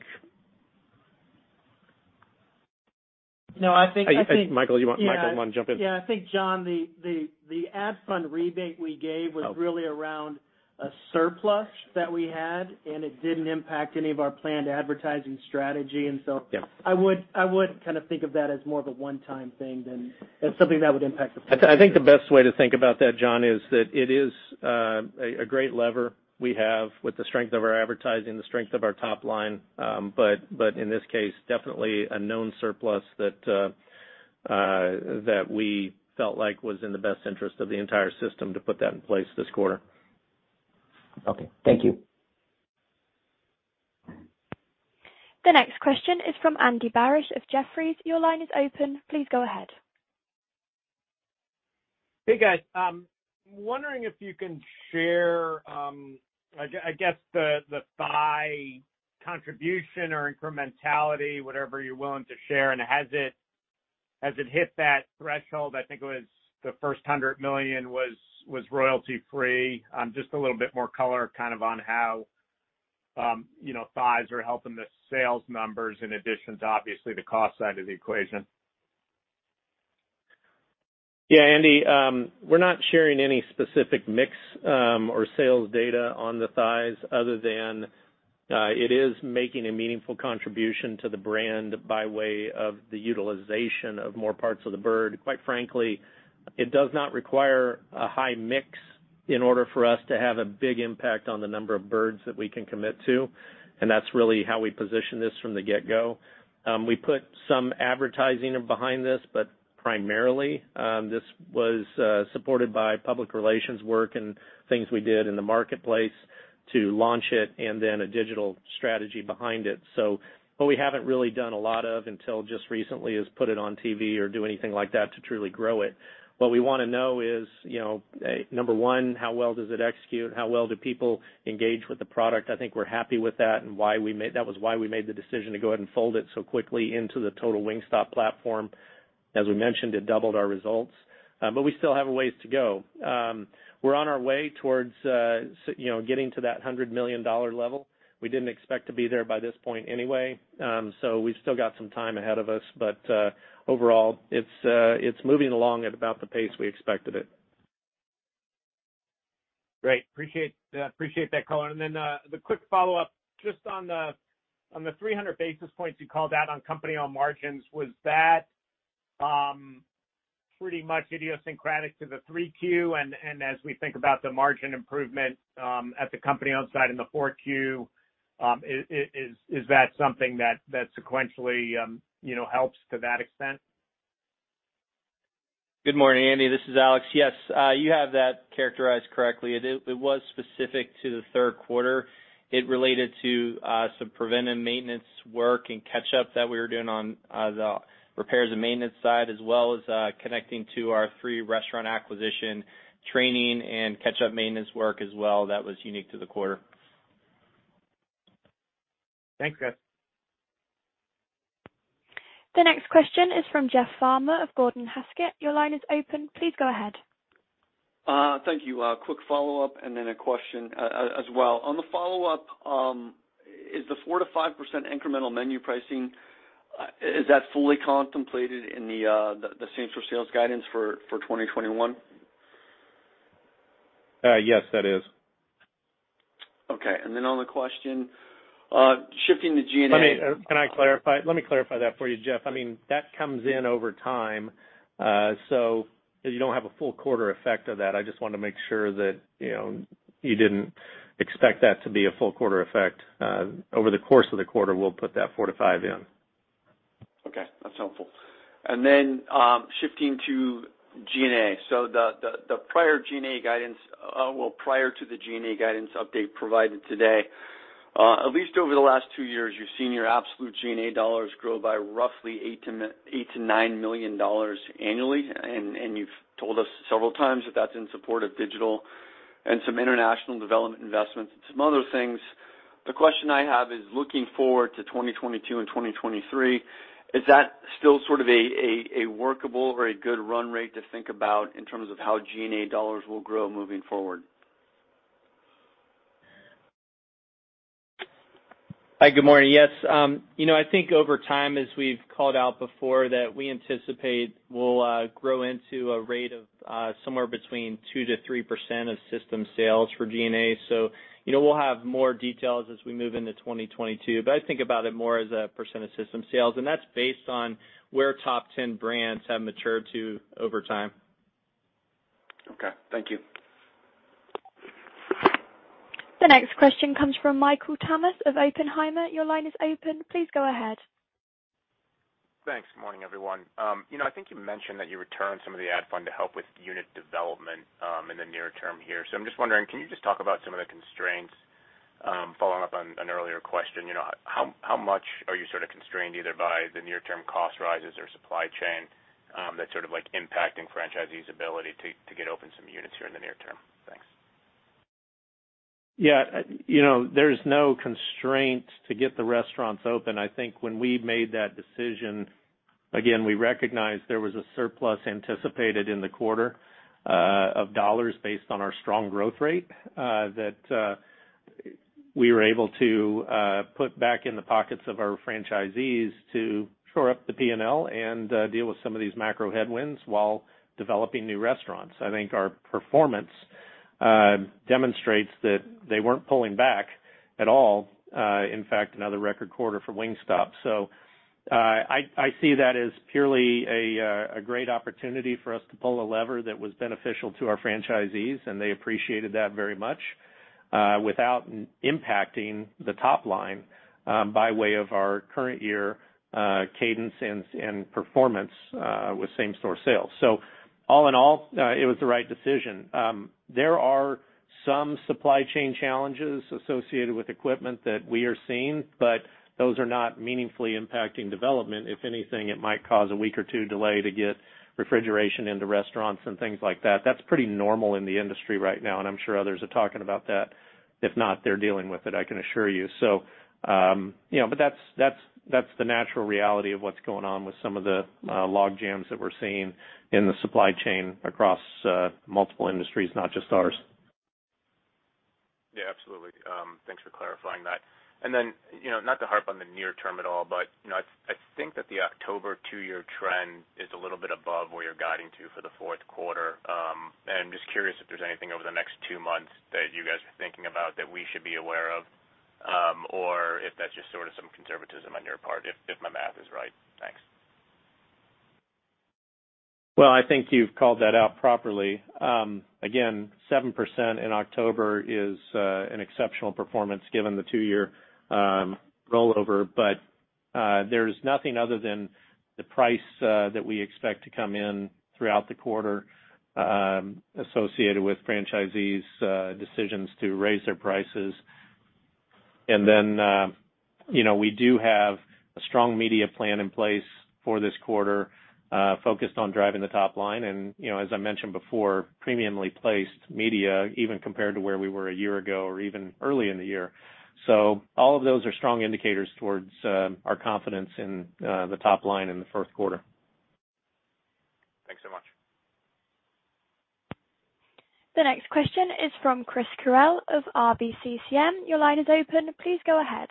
No, I think. Michael, you wanna jump in? Yeah. I think, John, the ad fund rebate we gave was really around a surplus that we had, and it didn't impact any of our planned advertising strategy. Yeah. I would kind of think of that as more of a one-time thing than as something that would impact the I think the best way to think about that, John, is that it is a great lever we have with the strength of our advertising, the strength of our top line. In this case, definitely a known surplus that we felt like was in the best interest of the entire system to put that in place this quarter. Okay, thank you. The next question is from Andy Barish of Jefferies. Your line is open. Please go ahead. Hey, guys. Wondering if you can share, I guess, the thigh contribution or incrementality, whatever you're willing to share. Has it hit that threshold, I think it was the first $100 million was royalty-free? Just a little bit more color kind of on how, you know, thighs are helping the sales numbers in addition to obviously the cost side of the equation. Yeah, Andy, we're not sharing any specific mix or sales data on the thighs other than it is making a meaningful contribution to the brand by way of the utilization of more parts of the bird. Quite frankly, it does not require a high mix in order for us to have a big impact on the number of birds that we can commit to, and that's really how we positioned this from the get-go. We put some advertising behind this, but primarily this was supported by public relations work and things we did in the marketplace to launch it and then a digital strategy behind it. What we haven't really done a lot of until just recently is put it on TV or do anything like that to truly grow it. What we wanna know is, you know, number one, how well does it execute? How well do people engage with the product? I think we're happy with that. That was why we made the decision to go ahead and fold it so quickly into the total Wingstop platform. As we mentioned, it doubled our results. We still have a ways to go. We're on our way towards, you know, getting to that $100 million level. We didn't expect to be there by this point anyway, so we've still got some time ahead of us. Overall it's moving along at about the pace we expected it. Great. Appreciate that color. The quick follow-up, just on the 300 basis points you called out on company-owned margins, was that pretty much idiosyncratic to the 3Q? As we think about the margin improvement at the company-owned site in the 4Q, is that something that sequentially you know helps to that extent? Good morning, Andy. This is Alex. Yes, you have that characterized correctly. It was specific to the third quarter. It related to some preventive maintenance work and catch-up that we were doing on the repairs and maintenance side, as well as connected to our three restaurant acquisitions' training and catch-up maintenance work as well that was unique to the quarter. Thanks, guys. The next question is from Jeff Farmer of Gordon Haskett. Your line is open. Please go ahead. Thank you. A quick follow-up and then a question, as well. On the follow-up, is the 4%-5% incremental menu pricing, is that fully contemplated in the same store sales guidance for 2021? Yes, that is. Okay. On the question, shifting to G&A. Can I clarify? Let me clarify that for you, Jeff. I mean, that comes in over time. So you don't have a full quarter effect of that. I just wanted to make sure that, you know, you didn't expect that to be a full quarter effect. Over the course of the quarter, we'll put that 4%-5% in. Okay, that's helpful. Shifting to G&A. The prior G&A guidance, prior to the G&A guidance update provided today, at least over the last two years, you've seen your absolute G&A dollars grow by roughly $8 million to $9 million annually. You've told us several times that that's in support of digital and some international development investments and some other things. The question I have is looking forward to 2022 and 2023, is that still sort of a workable or a good run rate to think about in terms of how G&A dollars will grow moving forward? Hi, good morning. Yes, you know, I think over time, as we've called out before, that we anticipate we'll grow into a rate of somewhere between 2%-3% of system sales for SG&A. You know, we'll have more details as we move into 2022, but I think about it more as a % of system sales, and that's based on where top ten brands have matured to over time. Okay, thank you. The next question comes from Michael Tamas of Oppenheimer. Your line is open. Please go ahead. Thanks. Good morning, everyone. You know, I think you mentioned that you returned some of the ad fund to help with unit development, in the near term here. I'm just wondering, can you just talk about some of the constraints, following up on an earlier question, you know, how much are you sort of constrained either by the near term cost rises or supply chain, that's sort of like impacting franchisees ability to get open- Yeah, you know, there's no constraint to get the restaurants open. I think when we made that decision, again, we recognized there was a surplus anticipated in the quarter of dollars based on our strong growth rate that we were able to put back in the pockets of our franchisees to shore up the P&L and deal with some of these macro headwinds while developing new restaurants. I think our performance demonstrates that they weren't pulling back at all. In fact, another record quarter for Wingstop. I see that as purely a great opportunity for us to pull a lever that was beneficial to our franchisees, and they appreciated that very much without impacting the top line by way of our current year cadence and performance with same store sales. All in all, it was the right decision. There are some supply chain challenges associated with equipment that we are seeing, but those are not meaningfully impacting development. If anything, it might cause a week or two delay to get refrigeration into restaurants and things like that. That's pretty normal in the industry right now, and I'm sure others are talking about that. If not, they're dealing with it, I can assure you. That's the natural reality of what's going on with some of the log jams that we're seeing in the supply chain across multiple industries, not just ours. Yeah, absolutely. Thanks for clarifying that. Then, you know, not to harp on the near term at all, but, you know, I think that the October two-year trend is a little bit above where you're guiding to for the fourth quarter. I'm just curious if there's anything over the next two months that you guys are thinking about that we should be aware of, or if that's just sort of some conservatism on your part, if my math is right. Thanks. Well, I think you've called that out properly. Again, 7% in October is an exceptional performance given the two-year rollover. There's nothing other than the price that we expect to come in throughout the quarter associated with franchisees' decisions to raise their prices. You know, we do have a strong media plan in place for this quarter focused on driving the top line. You know, as I mentioned before, premiumly placed media, even compared to where we were a year ago or even early in the year. All of those are strong indicators towards our confidence in the top line in the first quarter. Thanks so much. The next question is from Chris Carril of RBCCM. Your line is open. Please go ahead.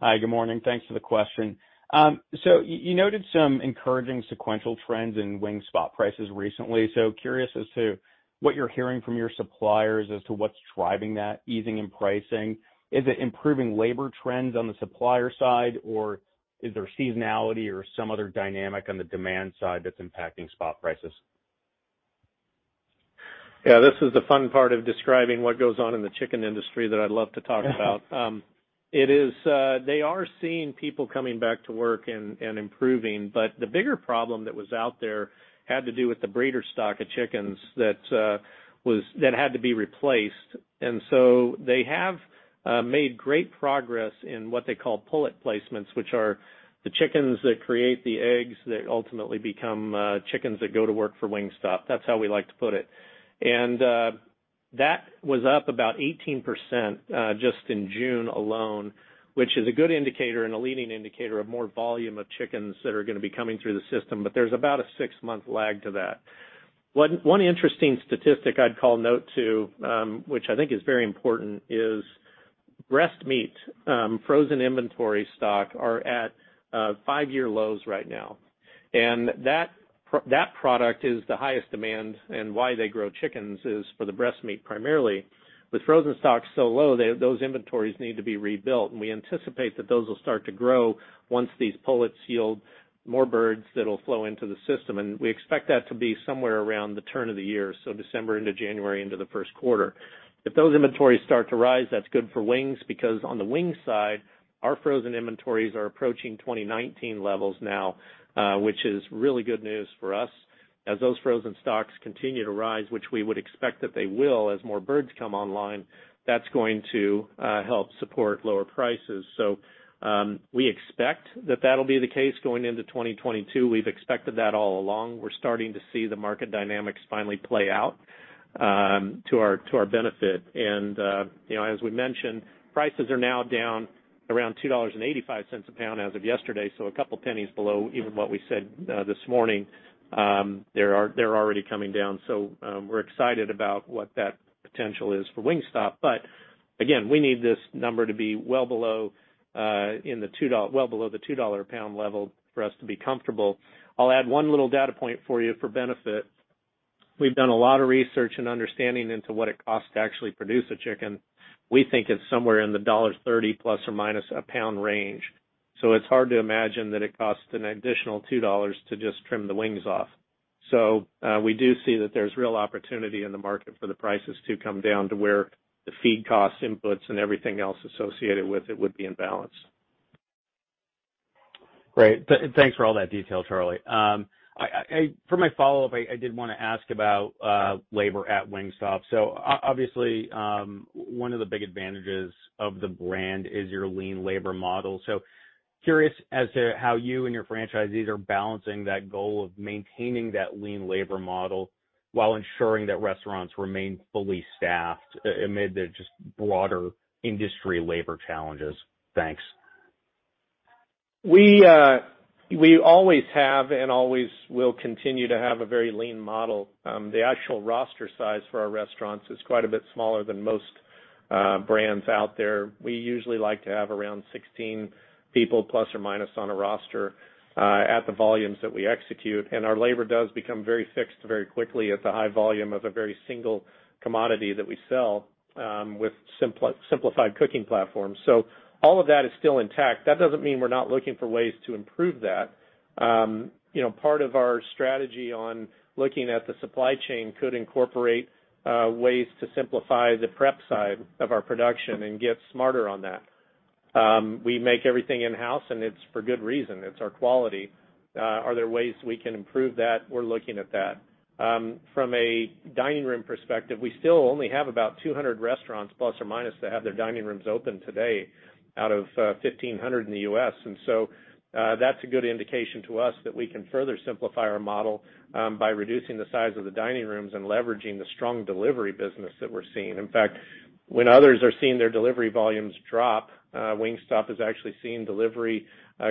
Hi, good morning. Thanks for the question. You noted some encouraging sequential trends in Wingstop prices recently. I'm curious as to what you're hearing from your suppliers as to what's driving that easing in pricing. Is it improving labor trends on the supplier side, or is there seasonality or some other dynamic on the demand side that's impacting spot prices? Yeah, this is the fun part of describing what goes on in the chicken industry that I love to talk about. They are seeing people coming back to work and improving, but the bigger problem that was out there had to do with the breeder stock of chickens that had to be replaced. They have made great progress in what they call pullet placements, which are the chickens that create the eggs that ultimately become chickens that go to work for Wingstop. That's how we like to put it. That was up about 18%, just in June alone, which is a good indicator and a leading indicator of more volume of chickens that are gonna be coming through the system. There's about a six-month lag to that. One interesting statistic I'd call out to, which I think is very important, is breast meat. Frozen inventory stock are at five-year lows right now, and that product is the highest demand, and why they grow chickens is for the breast meat, primarily. With frozen stocks so low, those inventories need to be rebuilt, and we anticipate that those will start to grow once these pullets yield more birds that'll flow into the system. We expect that to be somewhere around the turn of the year, so December into January into the first quarter. If those inventories start to rise, that's good for wings, because on the wings side, our frozen inventories are approaching 2019 levels now, which is really good news for us. As those frozen stocks continue to rise, which we would expect that they will as more birds come online, that's going to help support lower prices. We expect that that'll be the case going into 2022. We've expected that all along. We're starting to see the market dynamics finally play out to our benefit. You know, as we mentioned, prices are now down around $2.85 a pound as of yesterday, so a couple pennies below even what we said this morning. They're already coming down, so we're excited about what that potential is for Wingstop. Again, we need this number to be well below the $2 a pound level for us to be comfortable. I'll add one little data point for you for benefit. We've done a lot of research and understanding into what it costs to actually produce a chicken. We think it's somewhere in the $1.30 plus or minus a pound range. It's hard to imagine that it costs an additional $2 to just trim the wings off. We do see that there's real opportunity in the market for the prices to come down to where the feed costs inputs and everything else associated with it would be in balance. Great. Thanks for all that detail, Charlie. For my follow-up, I did wanna ask about labor at Wingstop. Obviously, one of the big advantages of the brand is your lean labor model. Curious as to how you and your franchisees are balancing that goal of maintaining that lean labor model while ensuring that restaurants remain fully staffed amid the broader industry labor challenges. Thanks. We always have and always will continue to have a very lean model. The actual roster size for our restaurants is quite a bit smaller than most brands out there. We usually like to have around 16 people plus or minus on a roster at the volumes that we execute, and our labor does become very fixed very quickly at the high volume of a very single commodity that we sell with simplified cooking platforms. All of that is still intact. That doesn't mean we're not looking for ways to improve that. You know, part of our strategy on looking at the supply chain could incorporate ways to simplify the prep side of our production and get smarter on that. We make everything in-house, and it's for good reason. It's our quality. Are there ways we can improve that? We're looking at that. From a dining room perspective, we still only have about 200 restaurants plus or minus that have their dining rooms open today out of 1,500 in the U.S. That's a good indication to us that we can further simplify our model by reducing the size of the dining rooms and leveraging the strong delivery business that we're seeing. In fact, when others are seeing their delivery volumes drop, Wingstop is actually seeing delivery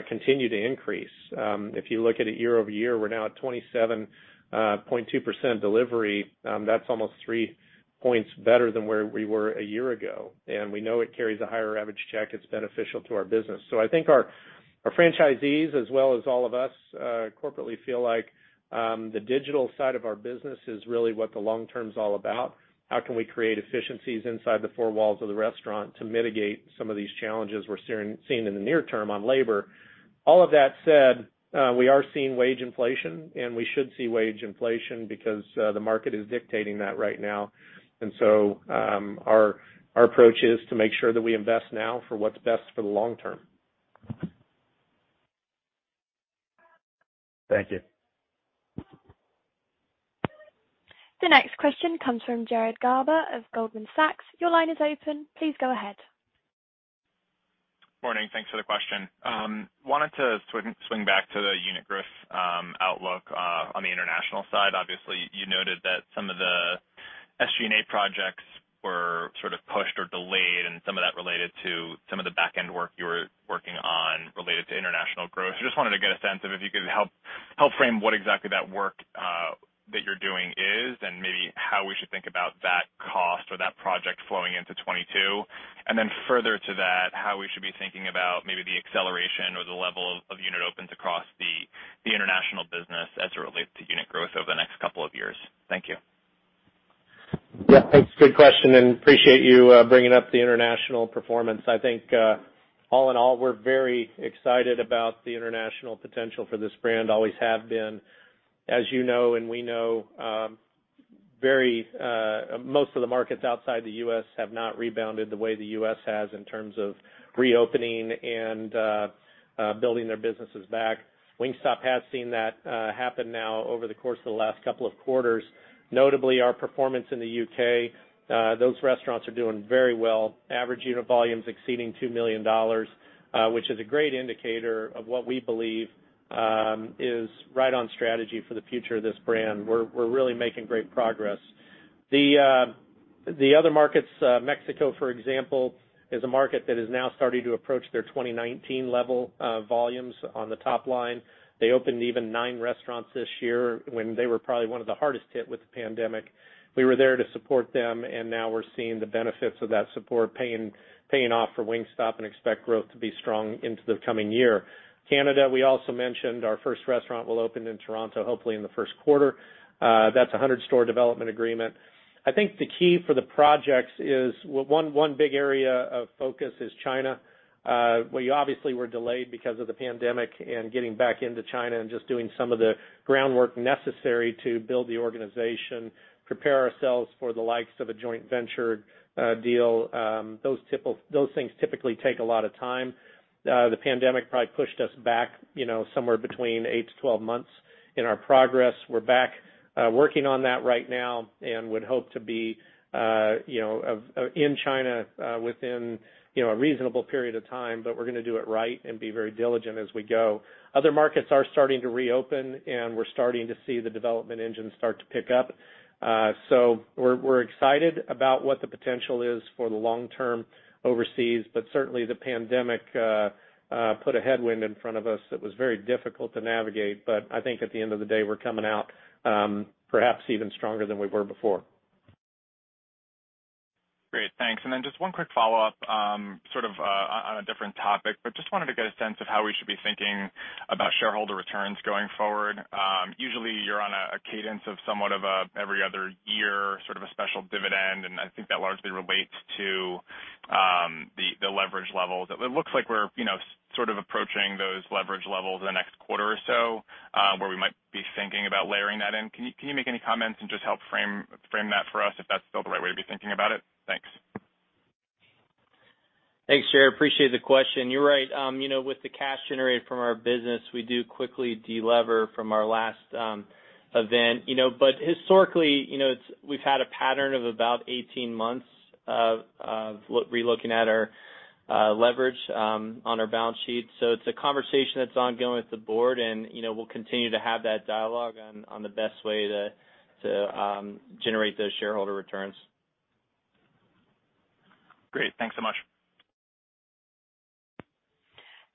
continue to increase. If you look at it year-over-year, we're now at 27.2% delivery. That's almost 3 points better than where we were a year ago, and we know it carries a higher average check. It's beneficial to our business. I think our franchisees, as well as all of us, corporately, feel like the digital side of our business is really what the long term's all about. How can we create efficiencies inside the four walls of the restaurant to mitigate some of these challenges we're seeing in the near term on labor? All of that said, we are seeing wage inflation, and we should see wage inflation because the market is dictating that right now. Our approach is to make sure that we invest now for what's best for the long term. Thank you. The next question comes from Jared Garber of Goldman Sachs. Your line is open. Please go ahead. Morning. Thanks for the question. Wanted to swing back to the unit growth outlook on the international side. Obviously, you noted that some of the SG&A projects were sort of pushed or delayed, and some of that related to some of the back-end work you were working on related to international growth. I just wanted to get a sense of if you could help frame what exactly that work that you're doing is, and maybe how we should think about that cost or that project flowing into 2022. Then further to that, how we should be thinking about maybe the acceleration or the level of unit opens across the international business as it relates to unit growth over the next couple of years. Thank you. Yeah, thanks. Good question, and appreciate you bringing up the international performance. I think all in all, we're very excited about the international potential for this brand, always have been. As you know and we know, most of the markets outside the U.S. have not rebounded the way the U.S. has in terms of reopening and building their businesses back. Wingstop has seen that happen now over the course of the last couple of quarters, notably our performance in the U.K. Those restaurants are doing very well, average unit volumes exceeding $2 million, which is a great indicator of what we believe is right on strategy for the future of this brand. We're really making great progress. The other markets, Mexico, for example, is a market that is now starting to approach their 2019 level volumes on the top line. They opened even 9 restaurants this year when they were probably one of the hardest hit with the pandemic. We were there to support them, and now we're seeing the benefits of that support paying off for Wingstop and expect growth to be strong into the coming year. Canada, we also mentioned our first restaurant will open in Toronto, hopefully in the first quarter. That's a 100-store development agreement. I think the key for the projects is one big area of focus is China. We obviously were delayed because of the pandemic and getting back into China and just doing some of the groundwork necessary to build the organization, prepare ourselves for the likes of a joint venture deal. Those things typically take a lot of time. The pandemic probably pushed us back, you know, somewhere between 8-12 months in our progress. We're back working on that right now and would hope to be, you know, in China within, you know, a reasonable period of time, but we're gonna do it right and be very diligent as we go. Other markets are starting to reopen, and we're starting to see the development engine start to pick up. We're excited about what the potential is for the long term overseas, but certainly the pandemic put a headwind in front of us that was very difficult to navigate. I think at the end of the day, we're coming out, perhaps even stronger than we were before. Great. Thanks. Then just one quick follow-up, sort of, on a different topic, but just wanted to get a sense of how we should be thinking about shareholder returns going forward. Usually you're on a cadence of somewhat of a every other year, sort of a special dividend, and I think that largely relates to the leverage levels. It looks like we're sort of approaching those leverage levels in the next quarter or so, where we might be thinking about layering that in. Can you make any comments and just help frame that for us if that's still the right way to be thinking about it? Thanks. Thanks, Jared. Appreciate the question. You're right. You know, with the cash generated from our business, we do quickly de-lever from our last event. You know, historically, you know, it's we've had a pattern of about 18 months of re-looking at our Leverage on our balance sheet. It's a conversation that's ongoing with the board, and you know, we'll continue to have that dialogue on the best way to generate those shareholder returns. Great. Thanks so much.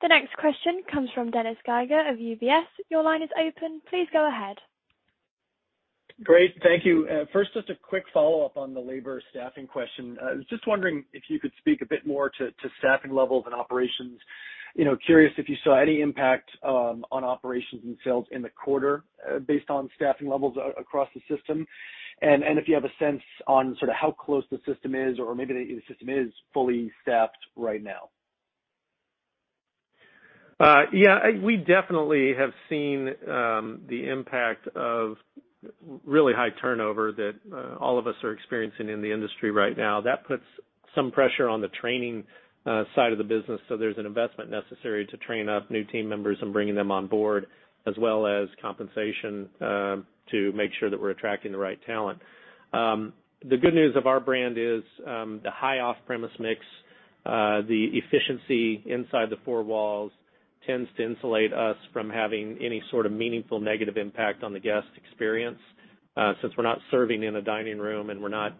The next question comes from Dennis Geiger of UBS. Your line is open. Please go ahead. Great. Thank you. First, just a quick follow-up on the labor staffing question. I was just wondering if you could speak a bit more to staffing levels and operations. You know, curious if you saw any impact on operations and sales in the quarter based on staffing levels across the system, and if you have a sense on sort of how close the system is or maybe the system is fully staffed right now. Yeah, we definitely have seen the impact of really high turnover that all of us are experiencing in the industry right now. That puts some pressure on the training side of the business, so there's an investment necessary to train up new team members and bringing them on board, as well as compensation to make sure that we're attracting the right talent. The good news of our brand is the high off-premise mix, the efficiency inside the four walls tends to insulate us from having any sort of meaningful negative impact on the guest experience. Since we're not serving in a dining room and we're not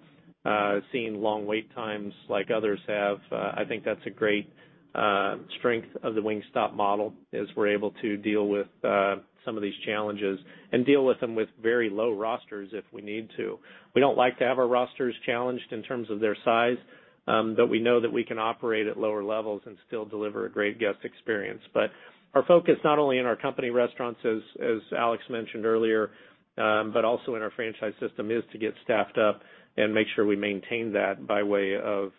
seeing long wait times like others have, I think that's a great strength of the Wingstop model as we're able to deal with some of these challenges and deal with them with very low rosters if we need to. We don't like to have our rosters challenged in terms of their size, but we know that we can operate at lower levels and still deliver a great guest experience. Our focus, not only in our company restaurants, as Alex mentioned earlier, but also in our franchise system, is to get staffed up and make sure we maintain that by way of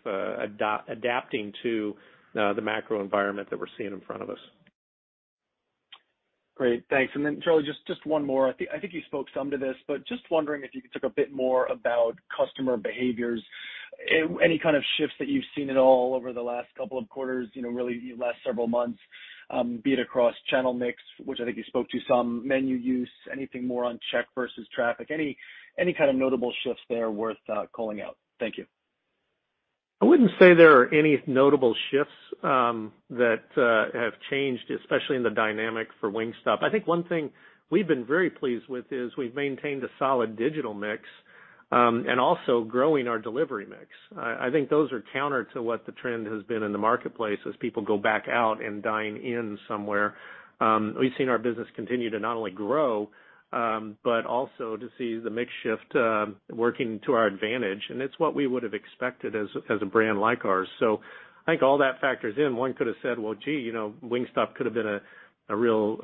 adapting to the macro environment that we're seeing in front of us. Great. Thanks. Charlie, just one more. I think you spoke some to this, but just wondering if you could talk a bit more about customer behaviors. Any kind of shifts that you've seen at all over the last couple of quarters, you know, really the last several months, be it across channel mix, which I think you spoke to some, menu use, anything more on check versus traffic, any kind of notable shifts there worth calling out. Thank you. I wouldn't say there are any notable shifts that have changed, especially in the dynamic for Wingstop. I think one thing we've been very pleased with is we've maintained a solid digital mix and also growing our delivery mix. I think those are counter to what the trend has been in the marketplace as people go back out and dine in somewhere. We've seen our business continue to not only grow, but also to see the mix shift working to our advantage, and it's what we would have expected as a brand like ours. I think all that factors in. One could have said, "Well, gee, you know, Wingstop could have been a real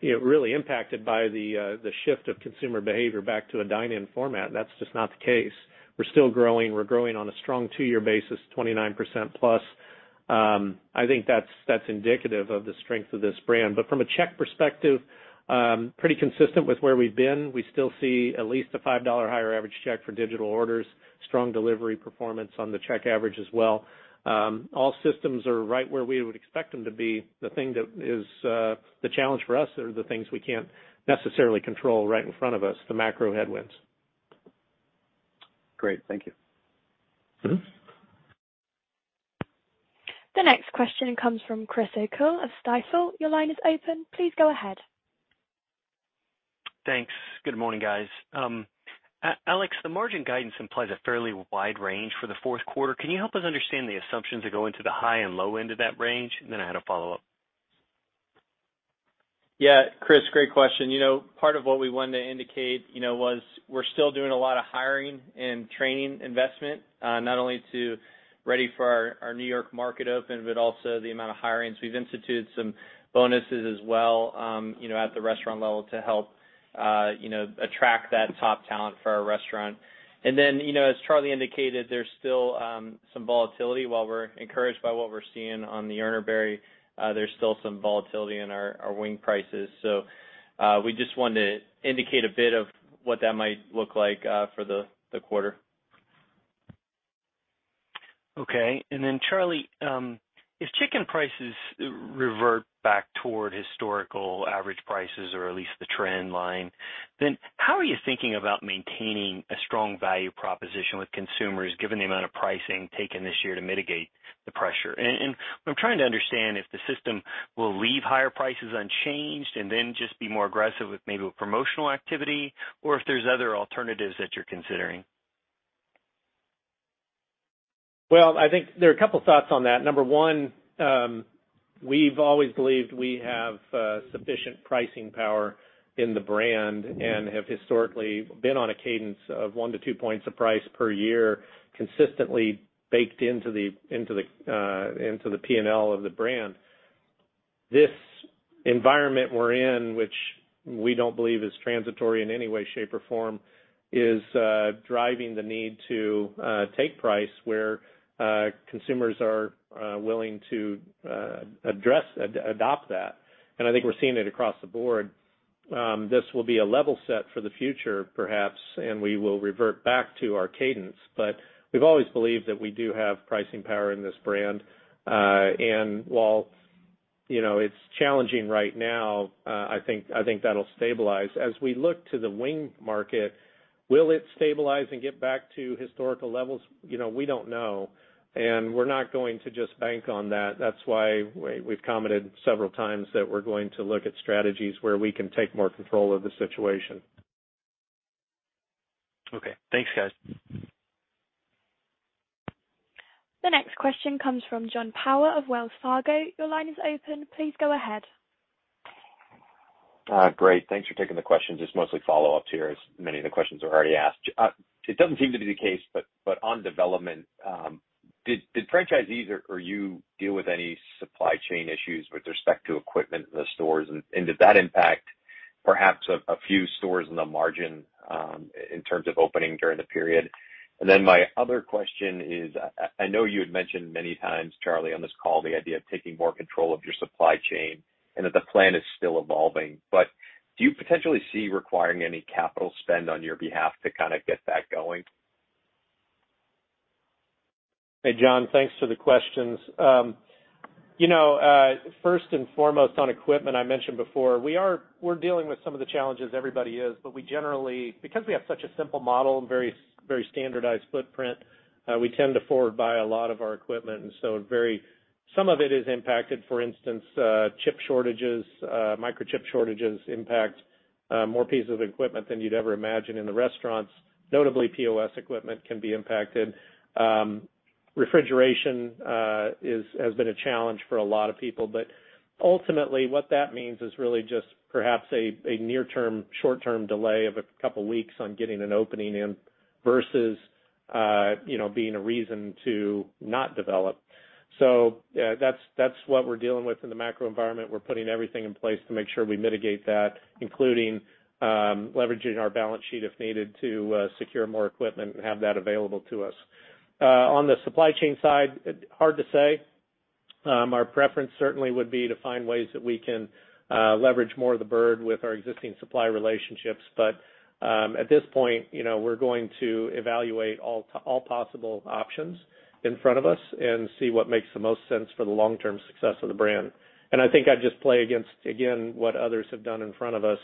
you know really impacted by the shift of consumer behavior back to a dine-in format." That's just not the case. We're still growing. We're growing on a strong two-year basis, 29%+. I think that's indicative of the strength of this brand. From a check perspective, pretty consistent with where we've been. We still see at least a $5 higher average check for digital orders, strong delivery performance on the check average as well. All systems are right where we would expect them to be. The thing that is the challenge for us are the things we can't necessarily control right in front of us, the macro headwinds. Great. Thank you. Mm-hmm. The next question comes from Chris O'Cull of Stifel. Your line is open. Please go ahead. Thanks. Good morning, guys. Alex, the margin guidance implies a fairly wide range for the fourth quarter. Can you help us understand the assumptions that go into the high and low end of that range? I had a follow-up. Yeah. Chris, great question. You know, part of what we wanted to indicate, you know, was we're still doing a lot of hiring and training investment, not only to ready for our New York market open, but also the amount of hirings. We've instituted some bonuses as well, you know, at the restaurant level to help, you know, attract that top talent for our restaurant. You know, as Charlie indicated, there's still some volatility. While we're encouraged by what we're seeing on the labor front, there's still some volatility in our wing prices. We just wanted to indicate a bit of what that might look like for the quarter. Okay. Charlie, as chicken prices revert back toward historical average prices or at least the trend line, then how are you thinking about maintaining a strong value proposition with consumers given the amount of pricing taken this year to mitigate the pressure? I'm trying to understand if the system will leave higher prices unchanged and then just be more aggressive with maybe a promotional activity or if there's other alternatives that you're considering. Well, I think there are a couple thoughts on that. Number 1, we've always believed we have sufficient pricing power in the brand and have historically been on a cadence of 1-2 points of price per year consistently baked into the P&L of the brand. This environment we're in, which we don't believe is transitory in any way, shape, or form, is driving the need to take price where consumers are willing to adopt that. I think we're seeing it across the board. This will be a level set for the future, perhaps, and we will revert back to our cadence. We've always believed that we do have pricing power in this brand. While, you know, it's challenging right now. I think that'll stabilize. As we look to the wing market, will it stabilize and get back to historical levels? You know, we don't know, and we're not going to just bank on that. That's why we've commented several times that we're going to look at strategies where we can take more control of the situation. Okay. Thanks, guys. The next question comes from Jon Tower of Wells Fargo. Your line is open. Please go ahead. Great. Thanks for taking the questions. Just mostly follow-ups here, as many of the questions were already asked. It doesn't seem to be the case, but on development, did franchisees or you deal with any supply chain issues with respect to equipment in the stores? Did that impact perhaps a few stores in the margin, in terms of opening during the period? My other question is, I know you had mentioned many times, Charlie, on this call, the idea of taking more control of your supply chain and that the plan is still evolving. Do you potentially see requiring any capital spend on your behalf to kinda get that going? Hey, Jon, thanks for the questions. You know, first and foremost on equipment, I mentioned before, we're dealing with some of the challenges everybody is, but we generally, because we have such a simple model and very standardized footprint, we tend to forward buy a lot of our equipment, and so some of it is impacted. For instance, chip shortages, microchip shortages impact more pieces of equipment than you'd ever imagine in the restaurants. Notably, POS equipment can be impacted. Refrigeration has been a challenge for a lot of people. But ultimately, what that means is really just perhaps a near-term, short-term delay of a couple weeks on getting an opening in versus, you know, being a reason to not develop. That's what we're dealing with in the macro environment. We're putting everything in place to make sure we mitigate that, including leveraging our balance sheet, if needed, to secure more equipment and have that available to us. On the supply chain side, hard to say. Our preference certainly would be to find ways that we can leverage more of the bird with our existing supply relationships. At this point, you know, we're going to evaluate all possible options in front of us and see what makes the most sense for the long-term success of the brand. I think I'd just play against, again, what others have done in front of us.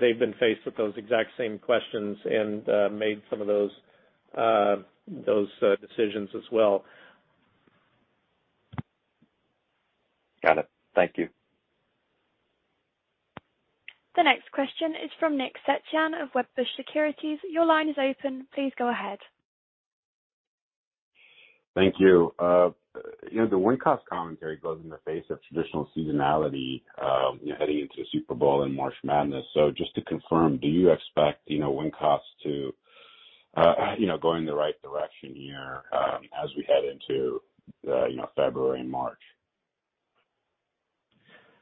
They've been faced with those exact same questions and made some of those decisions as well. Got it. Thank you. The next question is from Nick Setyan of Wedbush Securities. Your line is open. Please go ahead. Thank you. You know, the wing cost commentary goes in the face of traditional seasonality, you know, heading into Super Bowl and March Madness. Just to confirm, do you expect, you know, wing costs to, you know, go in the right direction here, as we head into, you know, February and March?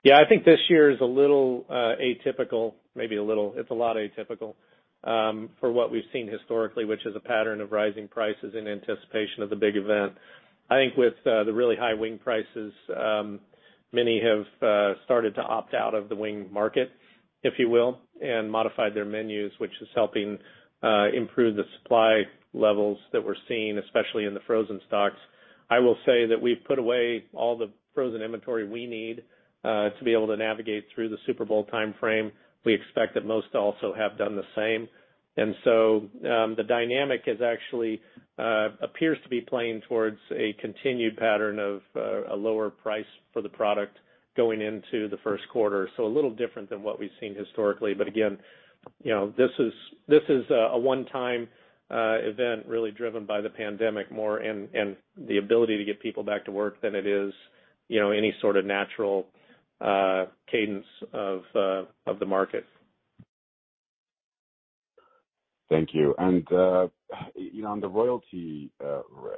Yeah. I think this year is a little atypical, maybe a little. It's a lot atypical for what we've seen historically, which is a pattern of rising prices in anticipation of the big event. I think with the really high wing prices, many have started to opt out of the wing market, if you will, and modified their menus, which is helping improve the supply levels that we're seeing, especially in the frozen stocks. I will say that we've put away all the frozen inventory we need to be able to navigate through the Super Bowl timeframe. We expect that most also have done the same. The dynamic is actually appears to be playing towards a continued pattern of a lower price for the product going into the first quarter. A little different than what we've seen historically. Again, you know, this is a one-time event really driven by the pandemic more and the ability to get people back to work than it is, you know, any sort of natural cadence of the market. Thank you. You know, on the royalty,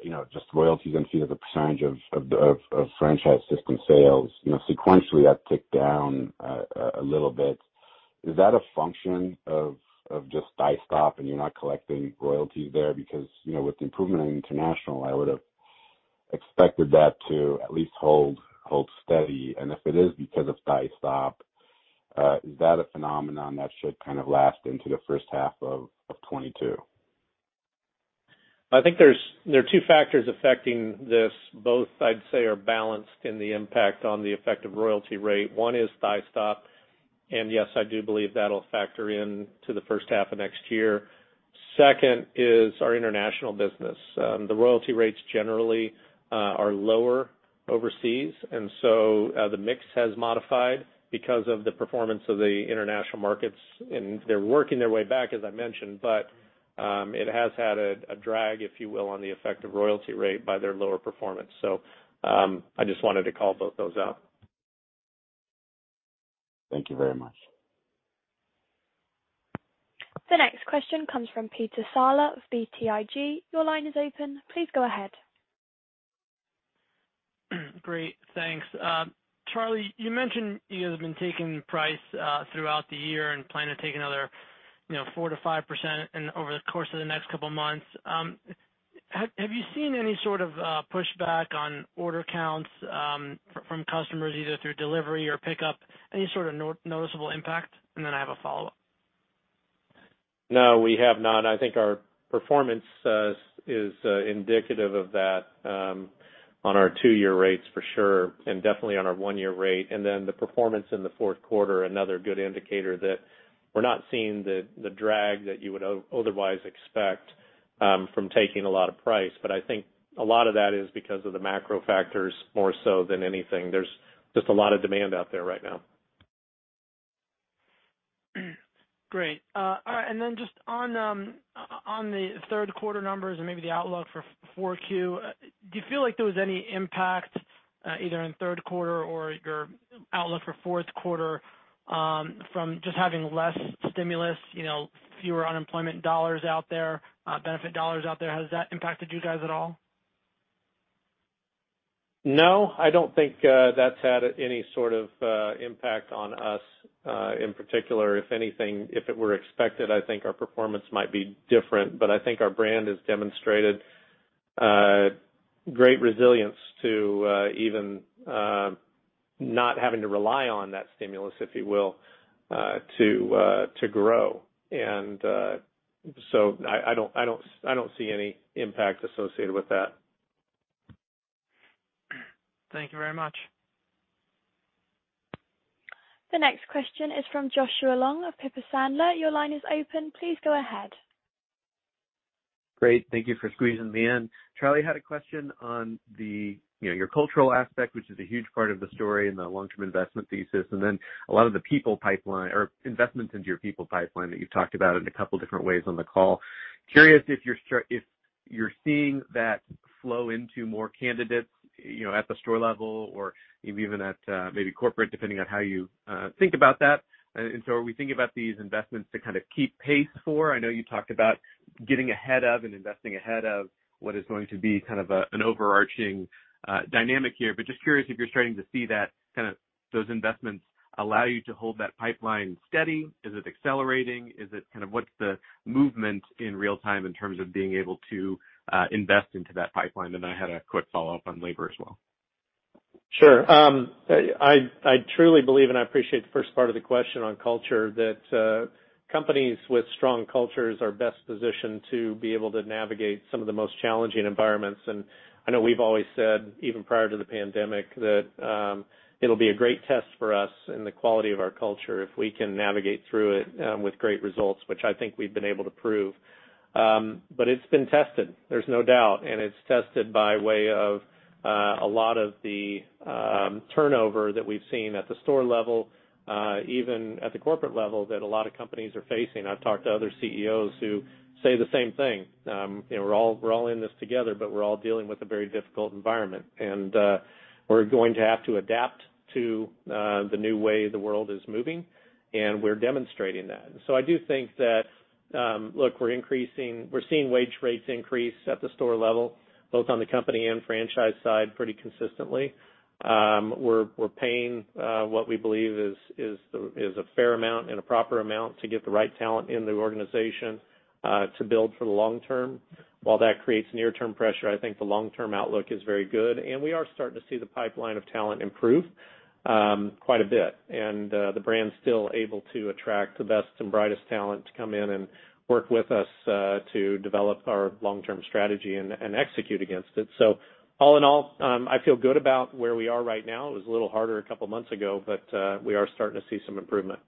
you know, just royalties in terms of the percentage of the franchise system sales, you know, sequentially that ticked down a little bit. Is that a function of just Thighstop and you're not collecting royalties there? Because, you know, with the improvement in international, I would have expected that to at least hold steady. If it is because of Thighstop, is that a phenomenon that should kind of last into the H1 of 2022? I think there are two factors affecting this. Both, I'd say, are balanced in the impact on the effective royalty rate. One is Thighstop, and yes, I do believe that'll factor into the H1 of next year. Second is our international business. The royalty rates generally are lower overseas, and so the mix has modified because of the performance of the international markets. They're working their way back, as I mentioned, but it has had a drag, if you will, on the effective royalty rate by their lower performance. I just wanted to call those out. Thank you very much. The next question comes from Peter Saleh of BTIG. Your line is open. Please go ahead. Great. Thanks. Charlie, you mentioned you guys have been taking price throughout the year and plan to take another, you know, 4%-5% over the course of the next couple months. Have you seen any sort of pushback on order counts from customers, either through delivery or pickup? Any sort of noticeable impact? And then I have a follow-up. No, we have not. I think our performance is indicative of that on our two-year rates for sure, and definitely on our one-year rate. Then the performance in the fourth quarter, another good indicator that we're not seeing the drag that you would otherwise expect from taking a lot of price. I think a lot of that is because of the macro factors more so than anything. There's just a lot of demand out there right now. Great. All right, then just on the third quarter numbers and maybe the outlook for 4Q, do you feel like there was any impact, either in third quarter or your outlook for fourth quarter, from just having less stimulus, you know, fewer unemployment dollars out there, benefit dollars out there? Has that impacted you guys at all? No, I don't think that's had any sort of impact on us in particular. If anything, if it were expected, I think our performance might be different, but I think our brand has demonstrated great resilience to even not having to rely on that stimulus, if you will, to grow. I don't see any impact associated with that. Thank you very much. The next question is from Joshua Long of Piper Sandler. Your line is open. Please go ahead. Great. Thank you for squeezing me in. Charlie, I had a question on the, you know, your cultural aspect, which is a huge part of the story and the long-term investment thesis, and then a lot of the people pipeline or investments into your people pipeline that you've talked about in a couple different ways on the call. Curious if you're seeing that flow into more candidates, you know, at the store level or even at maybe corporate, depending on how you think about that. So are we thinking about these investments to kind of keep pace for? I know you talked about getting ahead of and investing ahead of what is going to be kind of an overarching dynamic here. But just curious if you're starting to see that, kind of those investments allow you to hold that pipeline steady. Is it accelerating? Is it kind of what's the movement in real time in terms of being able to invest into that pipeline? I had a quick follow-up on labor as well. Sure. I truly believe, and I appreciate the first part of the question on culture, that companies with strong cultures are best positioned to be able to navigate some of the most challenging environments. I know we've always said, even prior to the pandemic, that it'll be a great test for us and the quality of our culture if we can navigate through it with great results, which I think we've been able to prove. It's been tested, there's no doubt, and it's tested by way of a lot of the turnover that we've seen at the store level, even at the corporate level that a lot of companies are facing. I've talked to other CEOs who say the same thing. You know, we're all in this together, but we're all dealing with a very difficult environment. We're going to have to adapt to the new way the world is moving, and we're demonstrating that. I do think that, look, we're seeing wage rates increase at the store level, both on the company and franchise side pretty consistently. We're paying what we believe is a fair amount and a proper amount to get the right talent in the organization to build for the long term. While that creates near-term pressure, I think the long-term outlook is very good. We are starting to see the pipeline of talent improve quite a bit. The brand's still able to attract the best and brightest talent to come in and work with us to develop our long-term strategy and execute against it. All in all, I feel good about where we are right now. It was a little harder a couple months ago, but we are starting to see some improvement.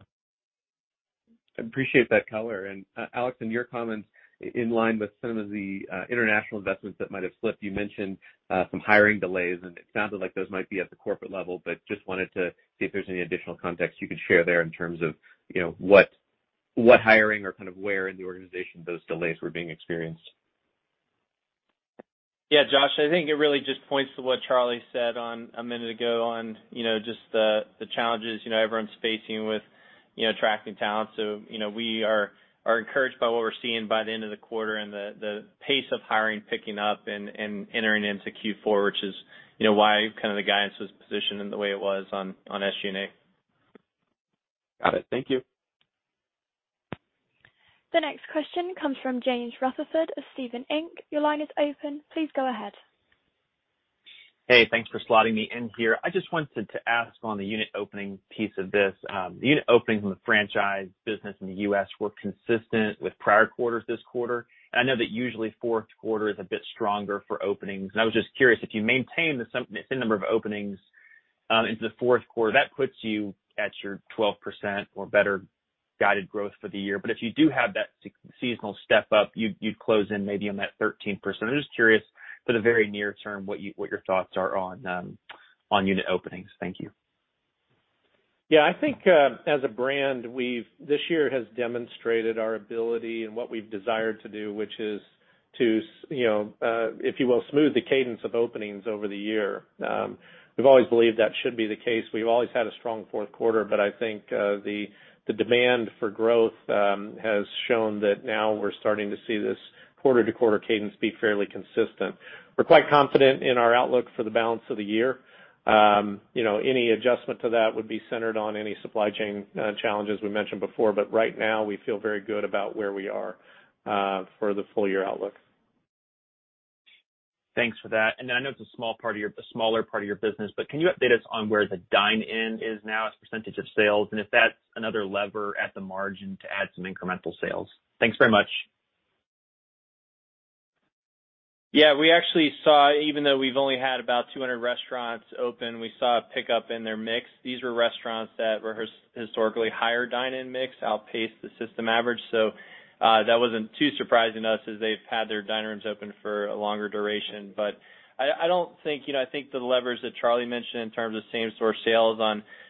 I appreciate that color. Alex, in your comments in line with some of the international investments that might have slipped, you mentioned some hiring delays, and it sounded like those might be at the corporate level, but just wanted to see if there's any additional context you could share there in terms of, you know, what hiring or kind of where in the organization those delays were being experienced. Yeah, Josh, I think it really just points to what Charlie said a minute ago on, you know, just the challenges, you know, everyone's facing with, you know, attracting talent. You know, we are encouraged by what we're seeing by the end of the quarter and the pace of hiring picking up and entering into Q4, which is, you know, why kind of the guidance was positioned in the way it was on SG&A. Got it. Thank you. The next question comes from James Rutherford of Stephens Inc. Your line is open. Please go ahead. Hey, thanks for slotting me in here. I just wanted to ask on the unit opening piece of this. The unit openings in the franchise business in the U.S. were consistent with prior quarters this quarter. I know that usually fourth quarter is a bit stronger for openings, and I was just curious if you maintain the same number of openings into the fourth quarter, that puts you at your 12% or better guided growth for the year. But if you do have that seasonal step up, you'd close in maybe on that 13%. I'm just curious for the very near term what your thoughts are on unit openings. Thank you. Yeah, I think, as a brand, this year has demonstrated our ability and what we've desired to do, which is to, you know, if you will, smooth the cadence of openings over the year. We've always believed that should be the case. We've always had a strong fourth quarter, but I think, the demand for growth has shown that now we're starting to see this quarter-to-quarter cadence be fairly consistent. We're quite confident in our outlook for the balance of the year. You know, any adjustment to that would be centered on any supply chain challenges we mentioned before. Right now, we feel very good about where we are for the full year outlook. Thanks for that. I know it's a smaller part of your business, but can you update us on where the dine-in is now as a percentage of sales? If that's another lever at the margin to add some incremental sales. Thanks very much. Yeah. We actually saw even though we've only had about 200 restaurants open, we saw a pickup in their mix. These were restaurants that were historically higher dine-in mix, outpaced the system average. That wasn't too surprising to us as they've had their dining rooms open for a longer duration. I don't think, you know, I think the levers that Charlie mentioned in terms of same-store sales,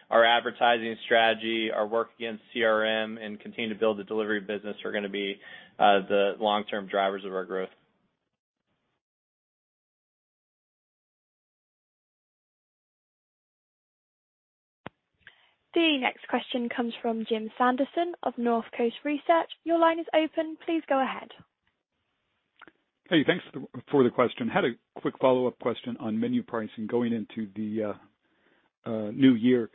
our advertising strategy, our work against CRM, and continuing to build the delivery business are gonna be the long-term drivers of our growth. The next question comes from Jim Sanderson of Northcoast Research. Your line is open. Please go ahead. Hey, thanks for the question. Had a quick follow-up question on menu pricing going into the new year.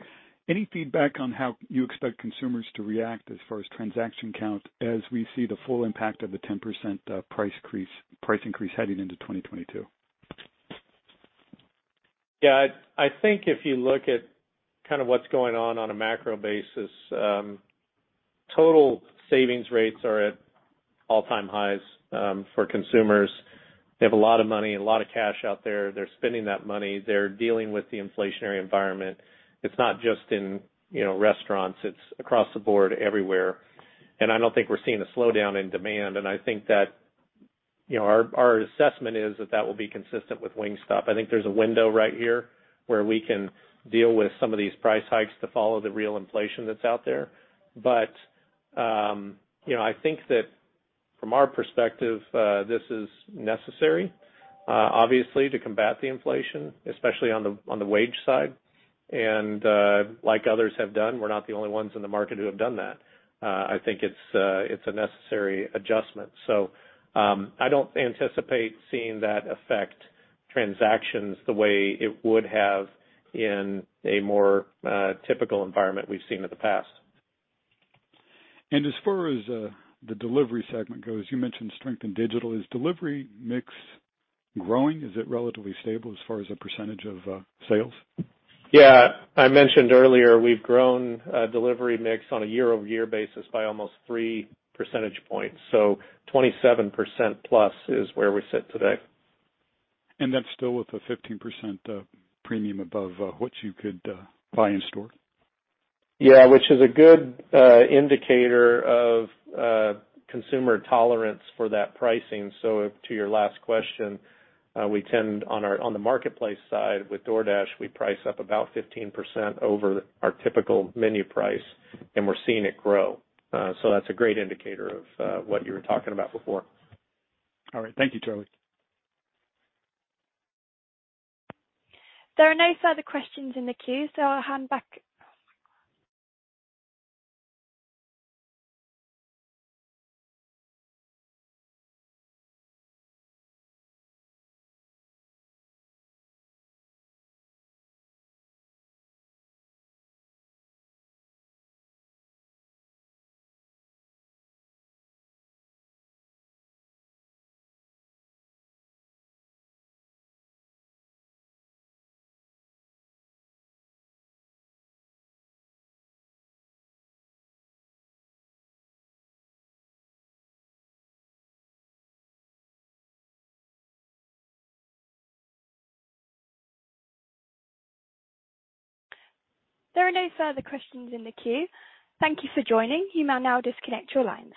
Any feedback on how you expect consumers to react as far as transaction count, as we see the full impact of the 10% price increase heading into 2022? Yeah. I think if you look at kind of what's going on on a macro basis, total savings rates are at all-time highs for consumers. They have a lot of money and a lot of cash out there. They're spending that money. They're dealing with the inflationary environment. It's not just in, you know, restaurants. It's across the board everywhere. I don't think we're seeing a slowdown in demand. I think that, you know, our assessment is that will be consistent with Wingstop. I think there's a window right here where we can deal with some of these price hikes to follow the real inflation that's out there. You know, I think that from our perspective, this is necessary, obviously to combat the inflation, especially on the wage side. Like others have done, we're not the only ones in the market who have done that. I think it's a necessary adjustment. I don't anticipate seeing that affect transactions the way it would have in a more typical environment we've seen in the past. As far as the delivery segment goes, you mentioned strength in digital. Is delivery mix growing? Is it relatively stable as far as the percentage of sales? Yeah. I mentioned earlier we've grown delivery mix on a year-over-year basis by almost 3 percentage points. Twenty-seven percent plus is where we sit today. That's still with a 15% premium above what you could buy in store? Yeah, which is a good indicator of consumer tolerance for that pricing. To your last question, we tend on the marketplace side with DoorDash, we price up about 15% over our typical menu price, and we're seeing it grow. That's a great indicator of what you were talking about before. All right. Thank you, Charlie. There are no further questions in the queue, so I'll hand back. There are no further questions in the queue. Thank you for joining. You may now disconnect your lines.